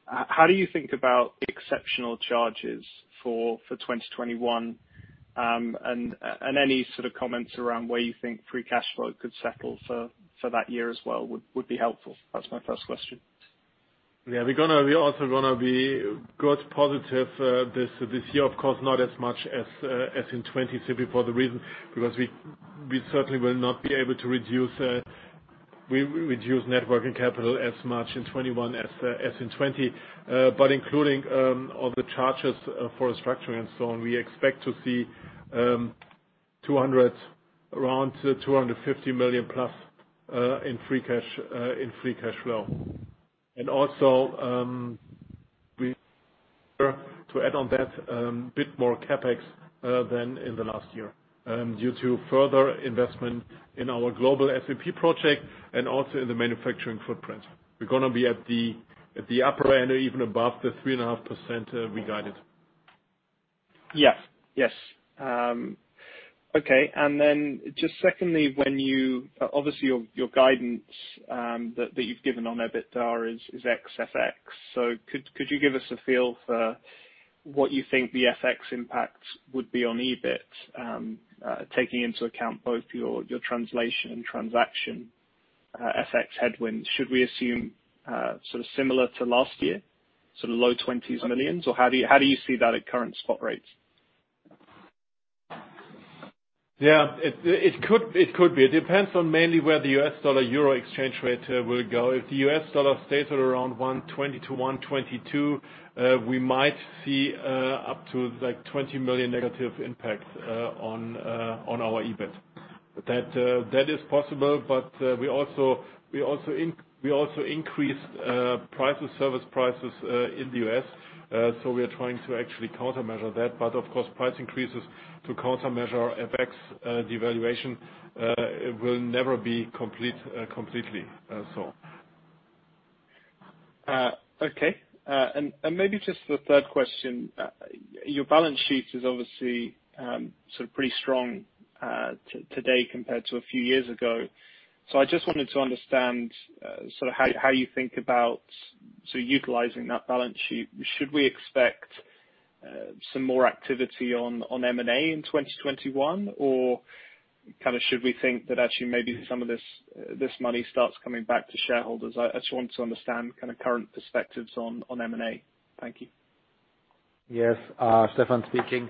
How do you think about exceptional charges for 2021? Any sort of comments around where you think free cash flow could settle for that year as well would be helpful. That's my first question. Yeah, we're also going to be good, positive this year. Of course, not as much as in 2020, simply for the reason because we certainly will not be able to reduce net working capital as much in 2021 as in 2020. Including all the charges for restructuring and so on, we expect to see around 250 million plus in free cash flow. Also, to add on that, a bit more CapEx than in the last year due to further investment in our global SAP project and also in the manufacturing footprint. We're going to be at the upper end or even above the 3.5% we guided. Yes. Okay. Just secondly, obviously, your guidance that you've given on EBITDA is ex FX. Could you give us a feel for what you think the FX impact would be on EBIT, taking into account both your translation and transaction FX headwinds? Should we assume similar to last year, low EUR 20s millions? Or how do you see that at current spot rates? Yeah. It could be. It depends on mainly where the U.S. dollar, EUR exchange rate will go. If the U.S. dollar stays at around 120 - 122, we might see up to 20 million negative impacts on our EBIT. That is possible. We also increased prices, service prices, in the U.S., so we are trying to actually countermeasure that. Of course, price increases to countermeasure FX devaluation will never be completely solved. Okay. Maybe just the third question. Your balance sheet is obviously pretty strong today compared to a few years ago. I just wanted to understand how you think about utilizing that balance sheet. Should we expect some more activity on M&A in 2021? Should we think that actually maybe some of this money starts coming back to shareholders? I just want to understand current perspectives on M&A. Thank you. Yes. Stefan speaking.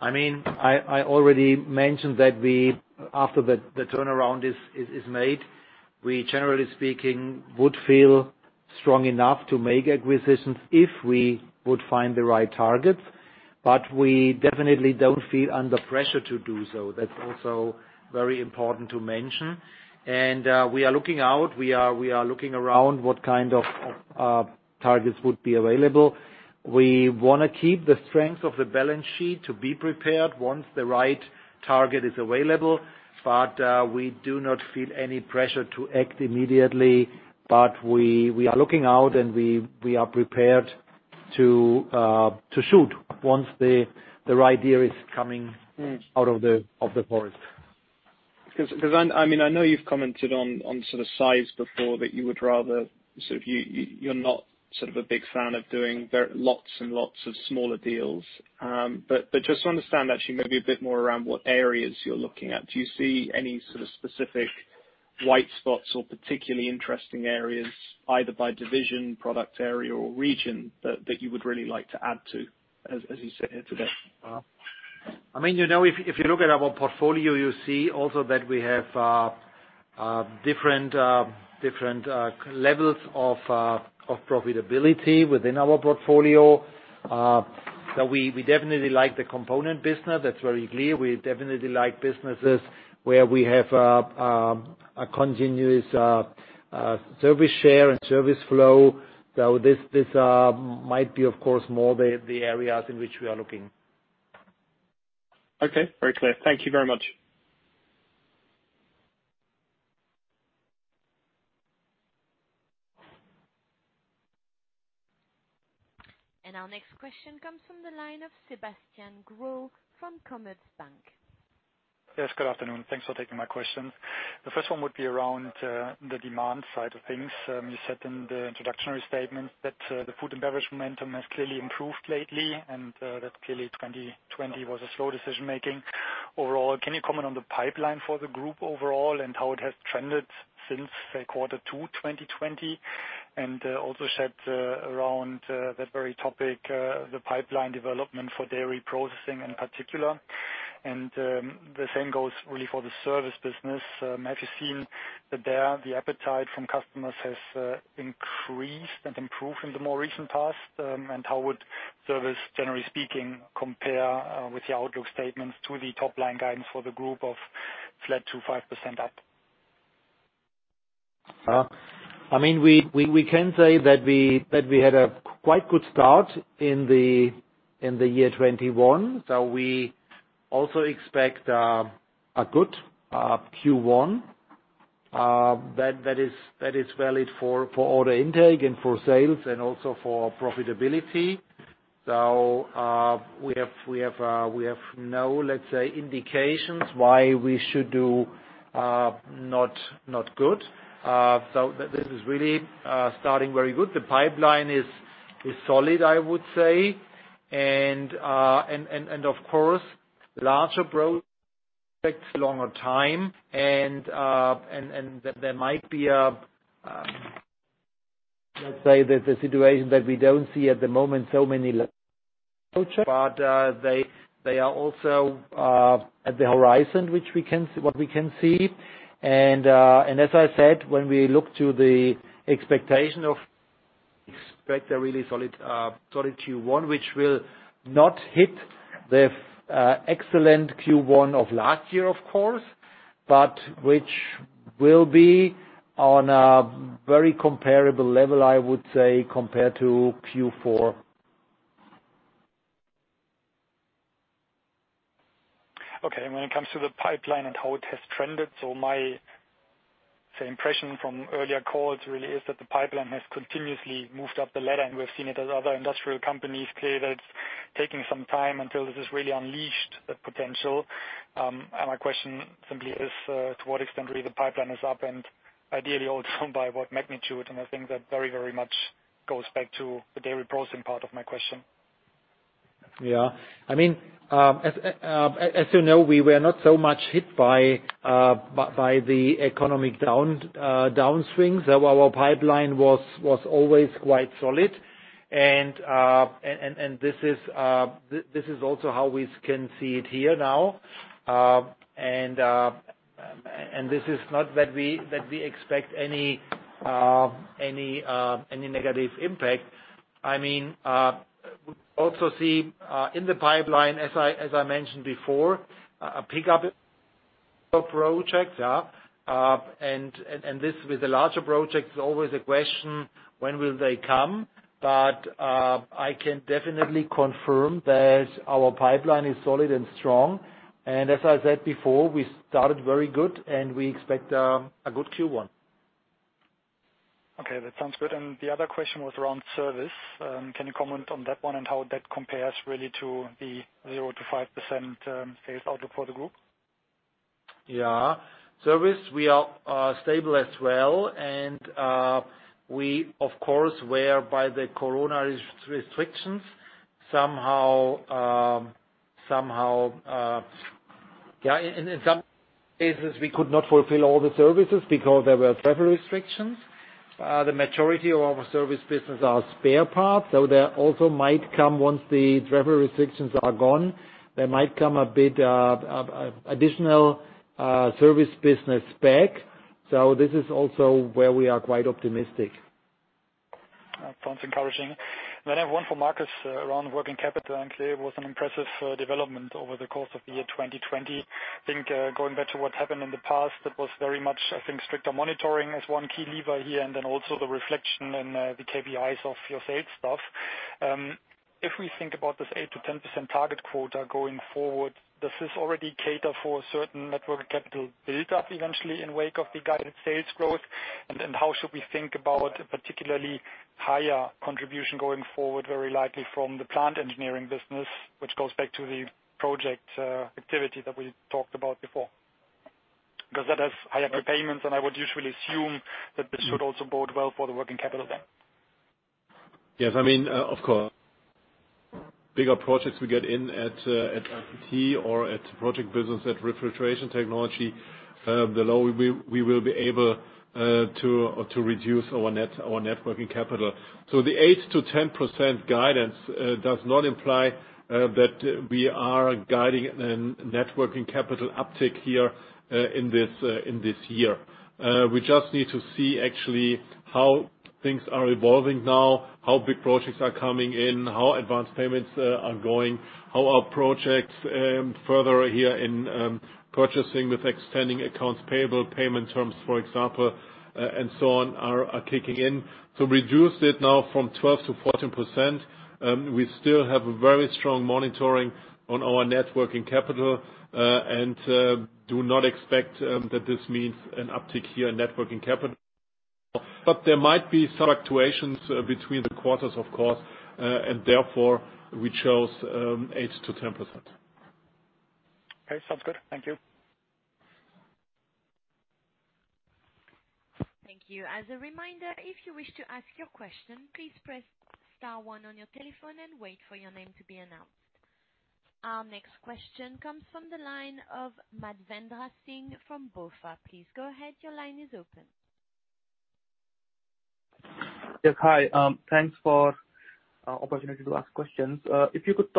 I already mentioned that after the turnaround is made, we generally speaking would feel strong enough to make acquisitions if we would find the right targets, but we definitely don't feel under pressure to do so. That's also very important to mention. We are looking out, we are looking around what kind of targets would be available. We want to keep the strength of the balance sheet to be prepared once the right target is available. We do not feel any pressure to act immediately. We are looking out, and we are prepared to shoot once the right deal is coming out of the forest. I know you've commented on size before. You're not a big fan of doing lots and lots of smaller deals. Just to understand actually maybe a bit more around what areas you're looking at. Do you see any sort of specific white spots or particularly interesting areas, either by division, product area, or region that you would really like to add to, as you sit here today? If you look at our portfolio, you see also that we have different levels of profitability within our portfolio. We definitely like the component business. That's very clear. We definitely like businesses where we have a continuous service share and service flow. This might be, of course, more the areas in which we are looking. Okay. Very clear. Thank you very much. Our next question comes from the line of Sebastian Groh from Commerzbank. Yes. Good afternoon. Thanks for taking my question. The first one would be around the demand side of things. You said in the introductory statement that the food and beverage momentum has clearly improved lately and that clearly 2020 was a slow decision-making overall. Can you comment on the pipeline for the group overall and how it has trended since Q2 2020? Also shed around that very topic, the pipeline development for dairy processing in particular. The same goes really for the service business. Have you seen that there, the appetite from customers has increased and improved in the more recent past? How would service, generally speaking, compare with the outlook statements to the top line guidance for the group of flat to five percent up? We can say that we had a quite good start in the year 2021. We also expect a good Q1. That is valid for order intake and for sales, and also for profitability. We have no indications why we should do not good. This is really starting very good. The pipeline is solid, I would say. Of course, larger projects take longer time, and there might be a, let's say, the situation that we don't see at the moment so many but they are also at the horizon, what we can see. As I said, when we look to the expectation of expect a really solid Q1, which will not hit the excellent Q1 of last year, of course, but which will be on a very comparable level, I would say, compared to Q4. Okay. When it comes to the pipeline and how it has trended, my impression from earlier calls really is that the pipeline has continuously moved up the ladder, and we've seen it as other industrial companies clear that it's taking some time until this has really unleashed the potential. My question simply is, to what extent really the pipeline is up and ideally also by what magnitude? I think that very much goes back to the dairy processing part of my question. Yeah. As you know, we were not so much hit by the economic downswings. Our pipeline was always quite solid. This is also how we can see it here now. This is not that we expect any negative impact. We also see in the pipeline, as I mentioned before, a pickup of projects. This, with the larger projects, is always a question, when will they come? I can definitely confirm that our pipeline is solid and strong. As I said before, we started very good and we expect a good Q1. Okay. That sounds good. The other question was around service. Can you comment on that one and how that compares really to the 0%-5% sales outlook for the group? Yeah. Service, we are stable as well. We, of course, were by the coronavirus restrictions, in some cases, we could not fulfill all the services because there were travel restrictions. The majority of our service business are spare parts. There also might come, once the travel restrictions are gone, there might come a bit of additional service business back. This is also where we are quite optimistic. Sounds encouraging. I have one for Markus around working capital. Clearly it was an impressive development over the course of the year 2020. I think going back to what happened in the past, that was very much, I think, stricter monitoring as one key lever here, and then also the reflection in the KPIs of your sales staff. If we think about this 8%-10% target quota going forward, does this already cater for a certain net working capital build-up eventually in wake of the guided sales growth? How should we think about particularly higher contribution going forward, very likely from the plant engineering business, which goes back to the project activity that we talked about before? That has higher prepayments, and I would usually assume that this should also bode well for the working capital then. Yes, of course. Bigger projects we get in at LPT or at project business at refrigeration technology, the lower we will be able to reduce our net working capital. The 8% - 10% guidance does not imply that we are guiding net working capital uptick here in this year. We just need to see actually how things are evolving now, how big projects are coming in, how advanced payments are going, how our projects further here in purchasing with extending accounts payable, payment terms, for example, and so on, are kicking in. To reduce it now from 12% - 14%, we still have a very strong monitoring on our net working capital, and do not expect that this means an uptick here in net working capital. There might be some fluctuations between the quarters, of course, and therefore we chose 8% - 10%. Okay, sounds good. Thank you. Thank you. As a reminder, if you wish to ask your question, please press star one on your telephone and wait for your name to be announced. Our next question comes from the line of Mahendra Singh from BofA. Please go ahead. Your line is open. Yes. Hi. Thanks for opportunity to ask questions. If you look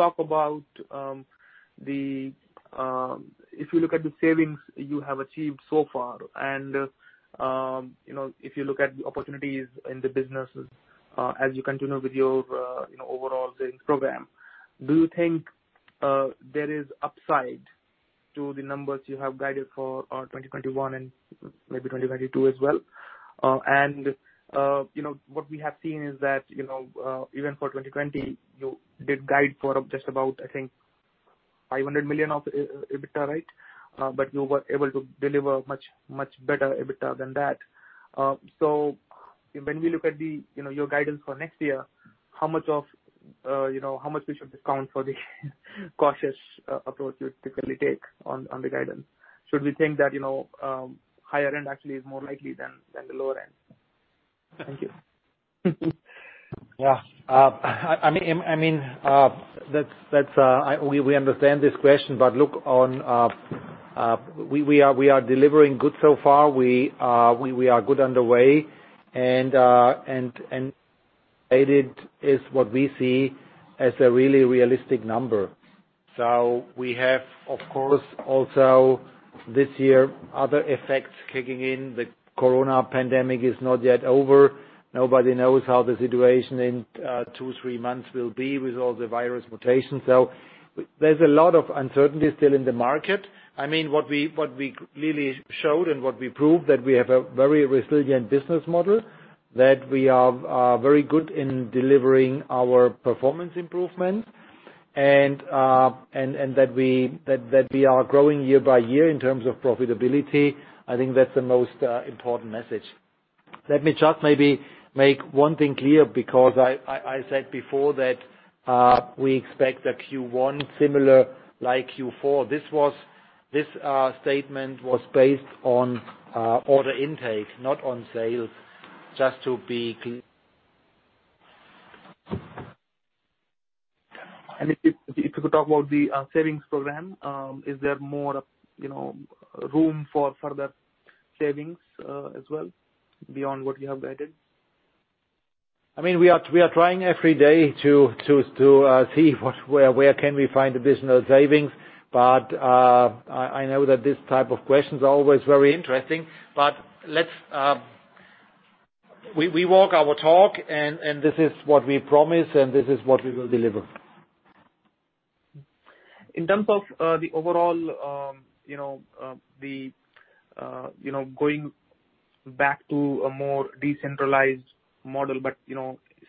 at the savings you have achieved so far, if you look at the opportunities in the businesses as you continue with your overall savings program, do you think there is upside to the numbers you have guided for 2021 and maybe 2022 as well? What we have seen is that even for 2020, you did guide for just about, I think, 500 million of EBITDA, right? You were able to deliver much better EBITDA than that. When we look at your guidance for next year, how much we should discount for the cautious approach you typically take on the guidance? Should we think that higher end actually is more likely than the lower end? Thank you. We understand this question. Look, we are delivering good so far. We are good underway. Guided is what we see as a really realistic number. We have, of course, also this year, other effects kicking in. The COVID pandemic is not yet over. Nobody knows how the situation in two, three months will be with all the virus mutations. There's a lot of uncertainty still in the market. What we clearly showed and what we proved, that we have a very resilient business model, that we are very good in delivering our performance improvement, and that we are growing year by year in terms of profitability. I think that's the most important message. Let me just maybe make one thing clear, because I said before that we expect a Q1 similar like Q4. This statement was based on order intake, not on sales, just to be clear. If you could talk about the savings program, is there more room for further savings as well beyond what you have guided? We are trying every day to see where can we find additional savings. I know that this type of question is always very interesting. We walk our talk, and this is what we promise, and this is what we will deliver. In terms of the overall, going back to a more decentralized model, but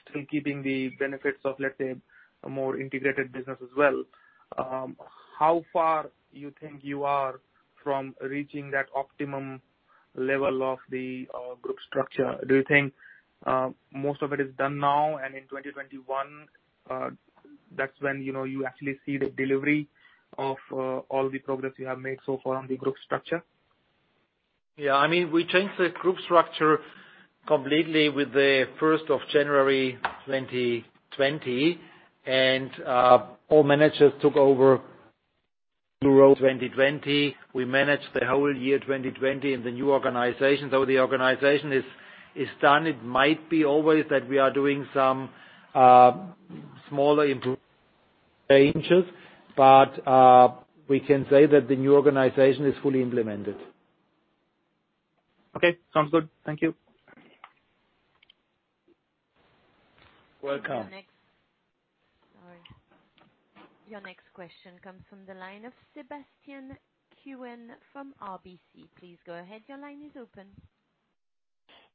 still keeping the benefits of, let's say, a more integrated business as well, how far you think you are from reaching that optimum level of the group structure? Do you think most of it is done now, and in 2021, that's when you actually see the delivery of all the progress you have made so far on the group structure? Yeah. We changed the group structure completely with the January 1st 2020, and all managers took over the role 2020. We managed the whole year 2020 in the new organization. The organization is standard, might be always that we are doing some smaller improvements, changes. We can say that the new organization is fully implemented. Okay, sounds good. Thank you. Welcome. Your next question comes from the line of Sebastian Kuhn from RBC. Please go ahead. Your line is open.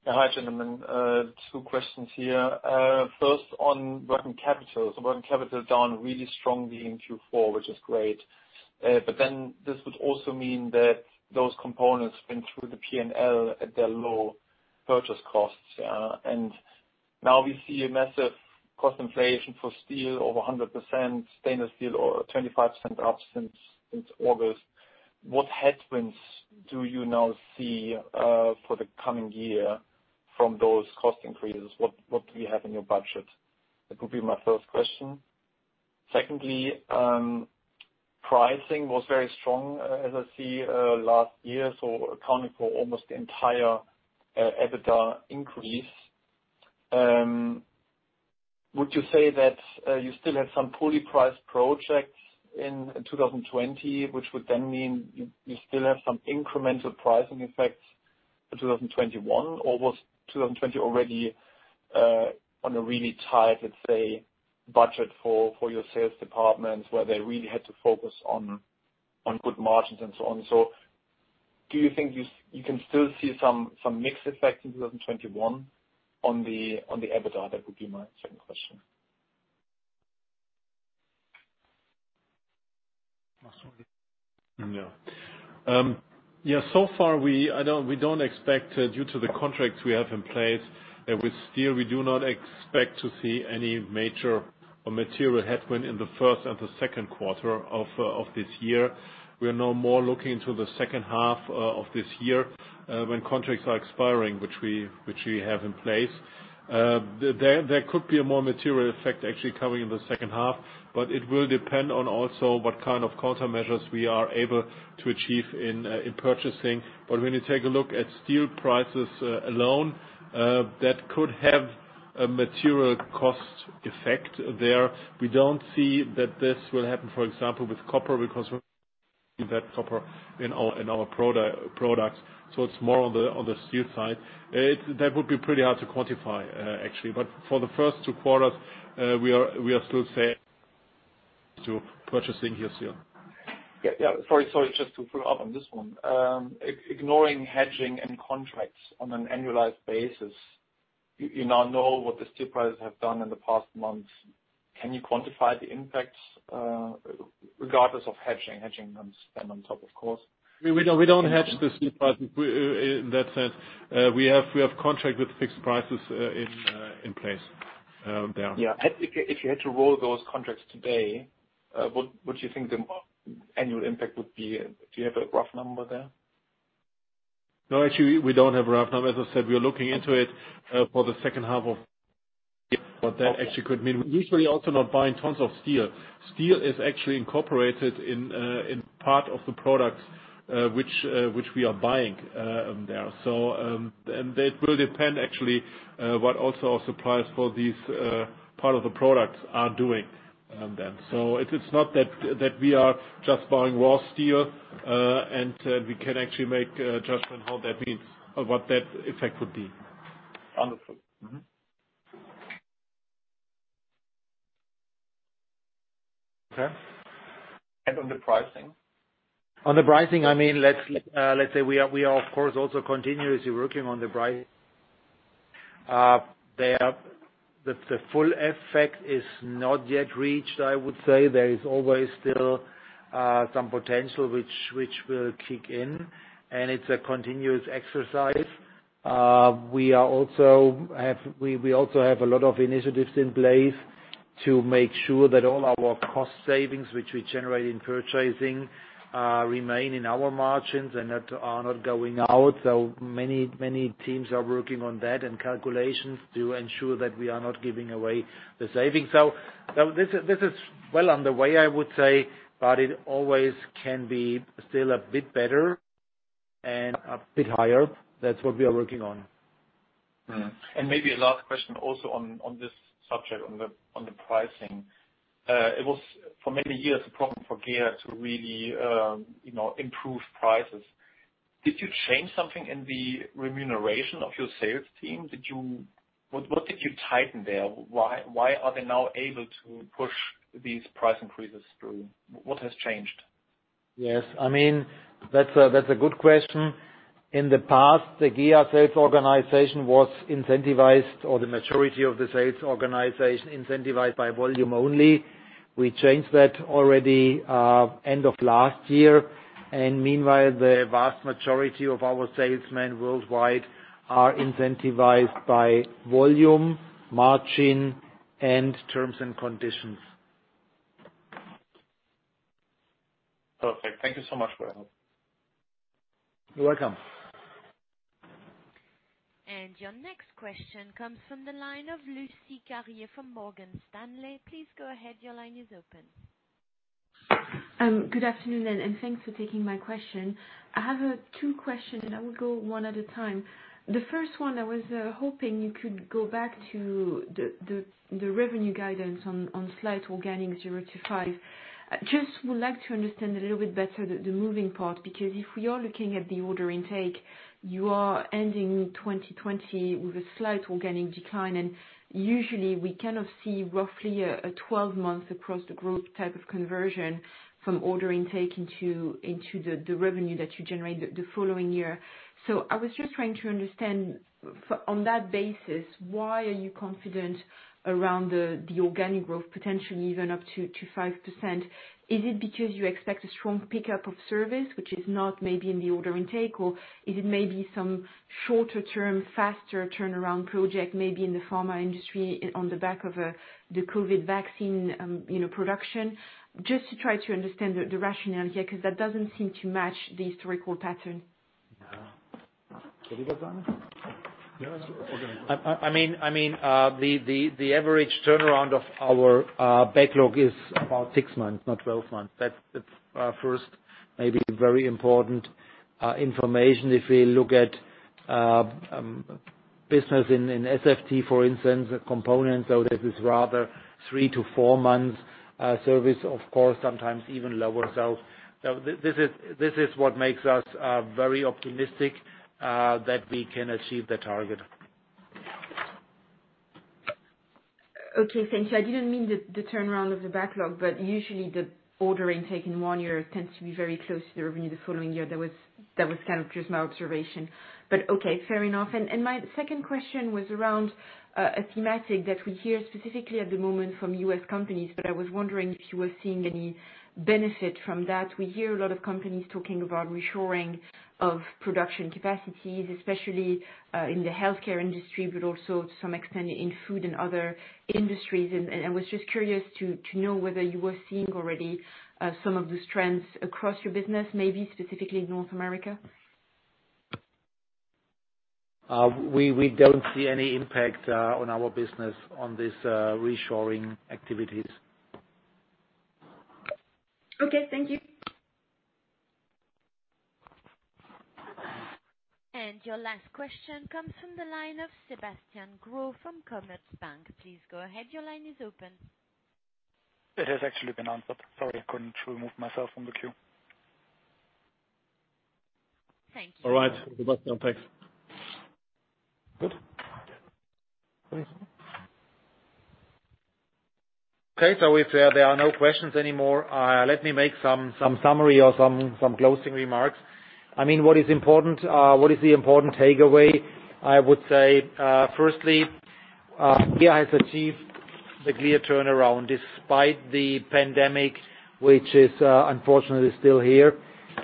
Hi, gentlemen. Two questions here. First on working capital. Working capital is down really strongly in Q4, which is great. This would also mean that those components have been through the P&L at their low purchase costs. Now we see a massive cost inflation for steel over 100%, stainless steel or 25% up since August. What headwinds do you now see for the coming year from those cost increases? What do you have in your budget? That would be my first question. Secondly, pricing was very strong as I see last year, accounting for almost the entire EBITDA increase. Would you say that you still have some fully priced projects in 2020, which would then mean you still have some incremental pricing effects for 2021? Was 2020 already on a really tight, let's say, budget for your sales departments where they really had to focus on good margins and so on. Do you think you can still see some mix effect in 2021 on the EBITDA? That would be my second question. So far we don't expect due to the contracts we have in place with steel, we do not expect to see any major or material headwind in the first and the second quarter of this year. We are now more looking to the second half of this year, when contracts are expiring, which we have in place. There could be a more material effect actually coming in the second half. It will depend on also what kind of counter measures we are able to achieve in purchasing. When you take a look at steel prices alone, that could have a material cost effect there. We don't see that this will happen, for example, with copper, because that copper in our products. It's more on the steel side. That would be pretty hard to quantify actually. For the first Q2, we are still fair to purchasing here, steel. Yeah. Sorry. Just to follow up on this one. Ignoring hedging and contracts on an annualized basis, you now know what the steel prices have done in the past months. Can you quantify the impact regardless of hedging? Hedging comes then on top, of course. We don't hedge the steel prices in that sense. We have contract with fixed prices in place there. Yeah. If you had to roll those contracts today, what do you think the annual impact would be? Do you have a rough number there? No, actually, we don't have a rough number. As I said, we are looking into it for the second half of but that actually could mean we're usually also not buying tons of steel. Steel is actually incorporated in part of the products which we are buying there. It will depend actually, what also our suppliers for these part of the products are doing then. It's not that we are just buying raw steel, and we can actually make a judgment how that means or what that effect would be. Understood. Mm-hmm. Okay. On the pricing? On the pricing, let's say we are of course also continuously working on. The full effect is not yet reached, I would say. There is always still some potential which will kick in. It's a continuous exercise. We also have a lot of initiatives in place to make sure that all our cost savings, which we generate in purchasing, remain in our margins and are not going out. Many teams are working on that and calculations to ensure that we are not giving away the savings. This is well on the way, I would say, but it always can be still a bit better and a bit higher. That's what we are working on. Maybe a last question also on this subject, on the pricing. It was, for many years, a problem for GEA to really improve prices. Did you change something in the remuneration of your sales team? What did you tighten there? Why are they now able to push these price increases through? What has changed? Yes. That's a good question. In the past, the GEA sales organization was incentivized, or the majority of the sales organization, incentivized by volume only. We changed that already end of last year. Meanwhile, the vast majority of our salesmen worldwide are incentivized by volume, margin, and terms and conditions. Perfect. Thank you so much for that. You're welcome. Your next question comes from the line of Lucie Carriat from Morgan Stanley. Please go ahead. Your line is open. Good afternoon, thanks for taking my question. I have two questions, and I will go one at a time. The first one, I was hoping you could go back to the revenue guidance on slight organic zero to five. Just would like to understand a little bit better the moving part, because if we are looking at the order intake, you are ending 2020 with a slight organic decline. Usually we kind of see roughly a 12-month across the group type of conversion from order intake into the revenue that you generate the following year. I was just trying to understand, on that basis, why are you confident around the organic growth, potentially even up to five percent? Is it because you expect a strong pickup of service, which is not maybe in the order intake, or is it maybe some shorter term, faster turnaround project, maybe in the pharma industry on the back of the COVID vaccine production? Just to try to understand the rationale here, because that doesn't seem to match the historical pattern. Yeah. Shall we go, Simon? Yeah. I mean, the average turnaround of our backlog is about six months, not 12 months. That's first maybe very important information. If we look at business in SFT, for instance, a component. This is rather three to four months service, of course, sometimes even lower. This is what makes us very optimistic that we can achieve the target. Okay, thank you. I didn't mean the turnaround of the backlog, but usually the order intake in one year tends to be very close to the revenue the following year. That was kind of just my observation. Okay, fair enough. My second question was around a thematic that we hear specifically at the moment from U.S. companies, but I was wondering if you were seeing any benefit from that. We hear a lot of companies talking about reshoring of production capacities, especially in the healthcare industry, but also to some extent in food and other industries. I was just curious to know whether you were seeing already some of those trends across your business, maybe specifically in North America. We don't see any impact on our business on this reshoring activities. Okay. Thank you. Your last question comes from the line of Sebastian Groh from Commerzbank. Please go ahead. Your line is open. It has actually been answered. Sorry, I couldn't remove myself from the queue. Thank you. All right. Sebastian. Thanks. Good? Yeah. Okay. If there are no questions anymore, let me make some summary or some closing remarks. What is the important takeaway? I would say, firstly, GEA has achieved the GEA turnaround despite the pandemic, which is unfortunately still here.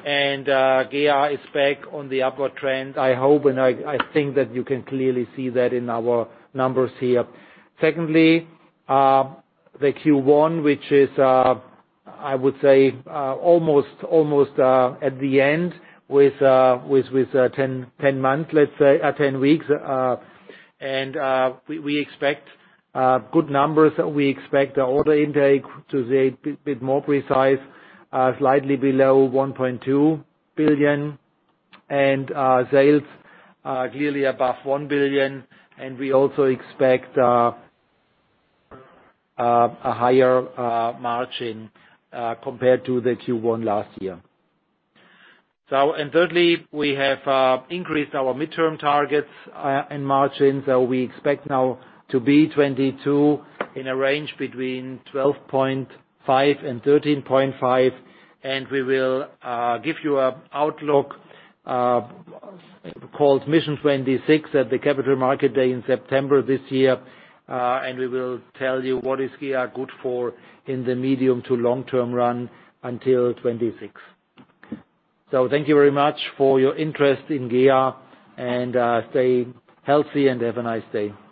GEA is back on the upward trend, I hope, and I think that you can clearly see that in our numbers here. Secondly, the Q1, which is, I would say, almost at the end with 10 months, let's say 10 weeks. We expect good numbers. We expect the order intake, to be a bit more precise, slightly below 1.2 billion. Sales are clearly above 1 billion. We also expect a higher margin, compared to the Q1 last year. Thirdly, we have increased our midterm targets and margins. We expect now to be 2022 in a range between 12.5 and 13.5, and we will give you an outlook, called Mission 26, at the Capital Market Day in September this year. We will tell you what is GEA good for in the medium to long-term run until 2026. Thank you very much for your interest in GEA, and stay healthy and have a nice day.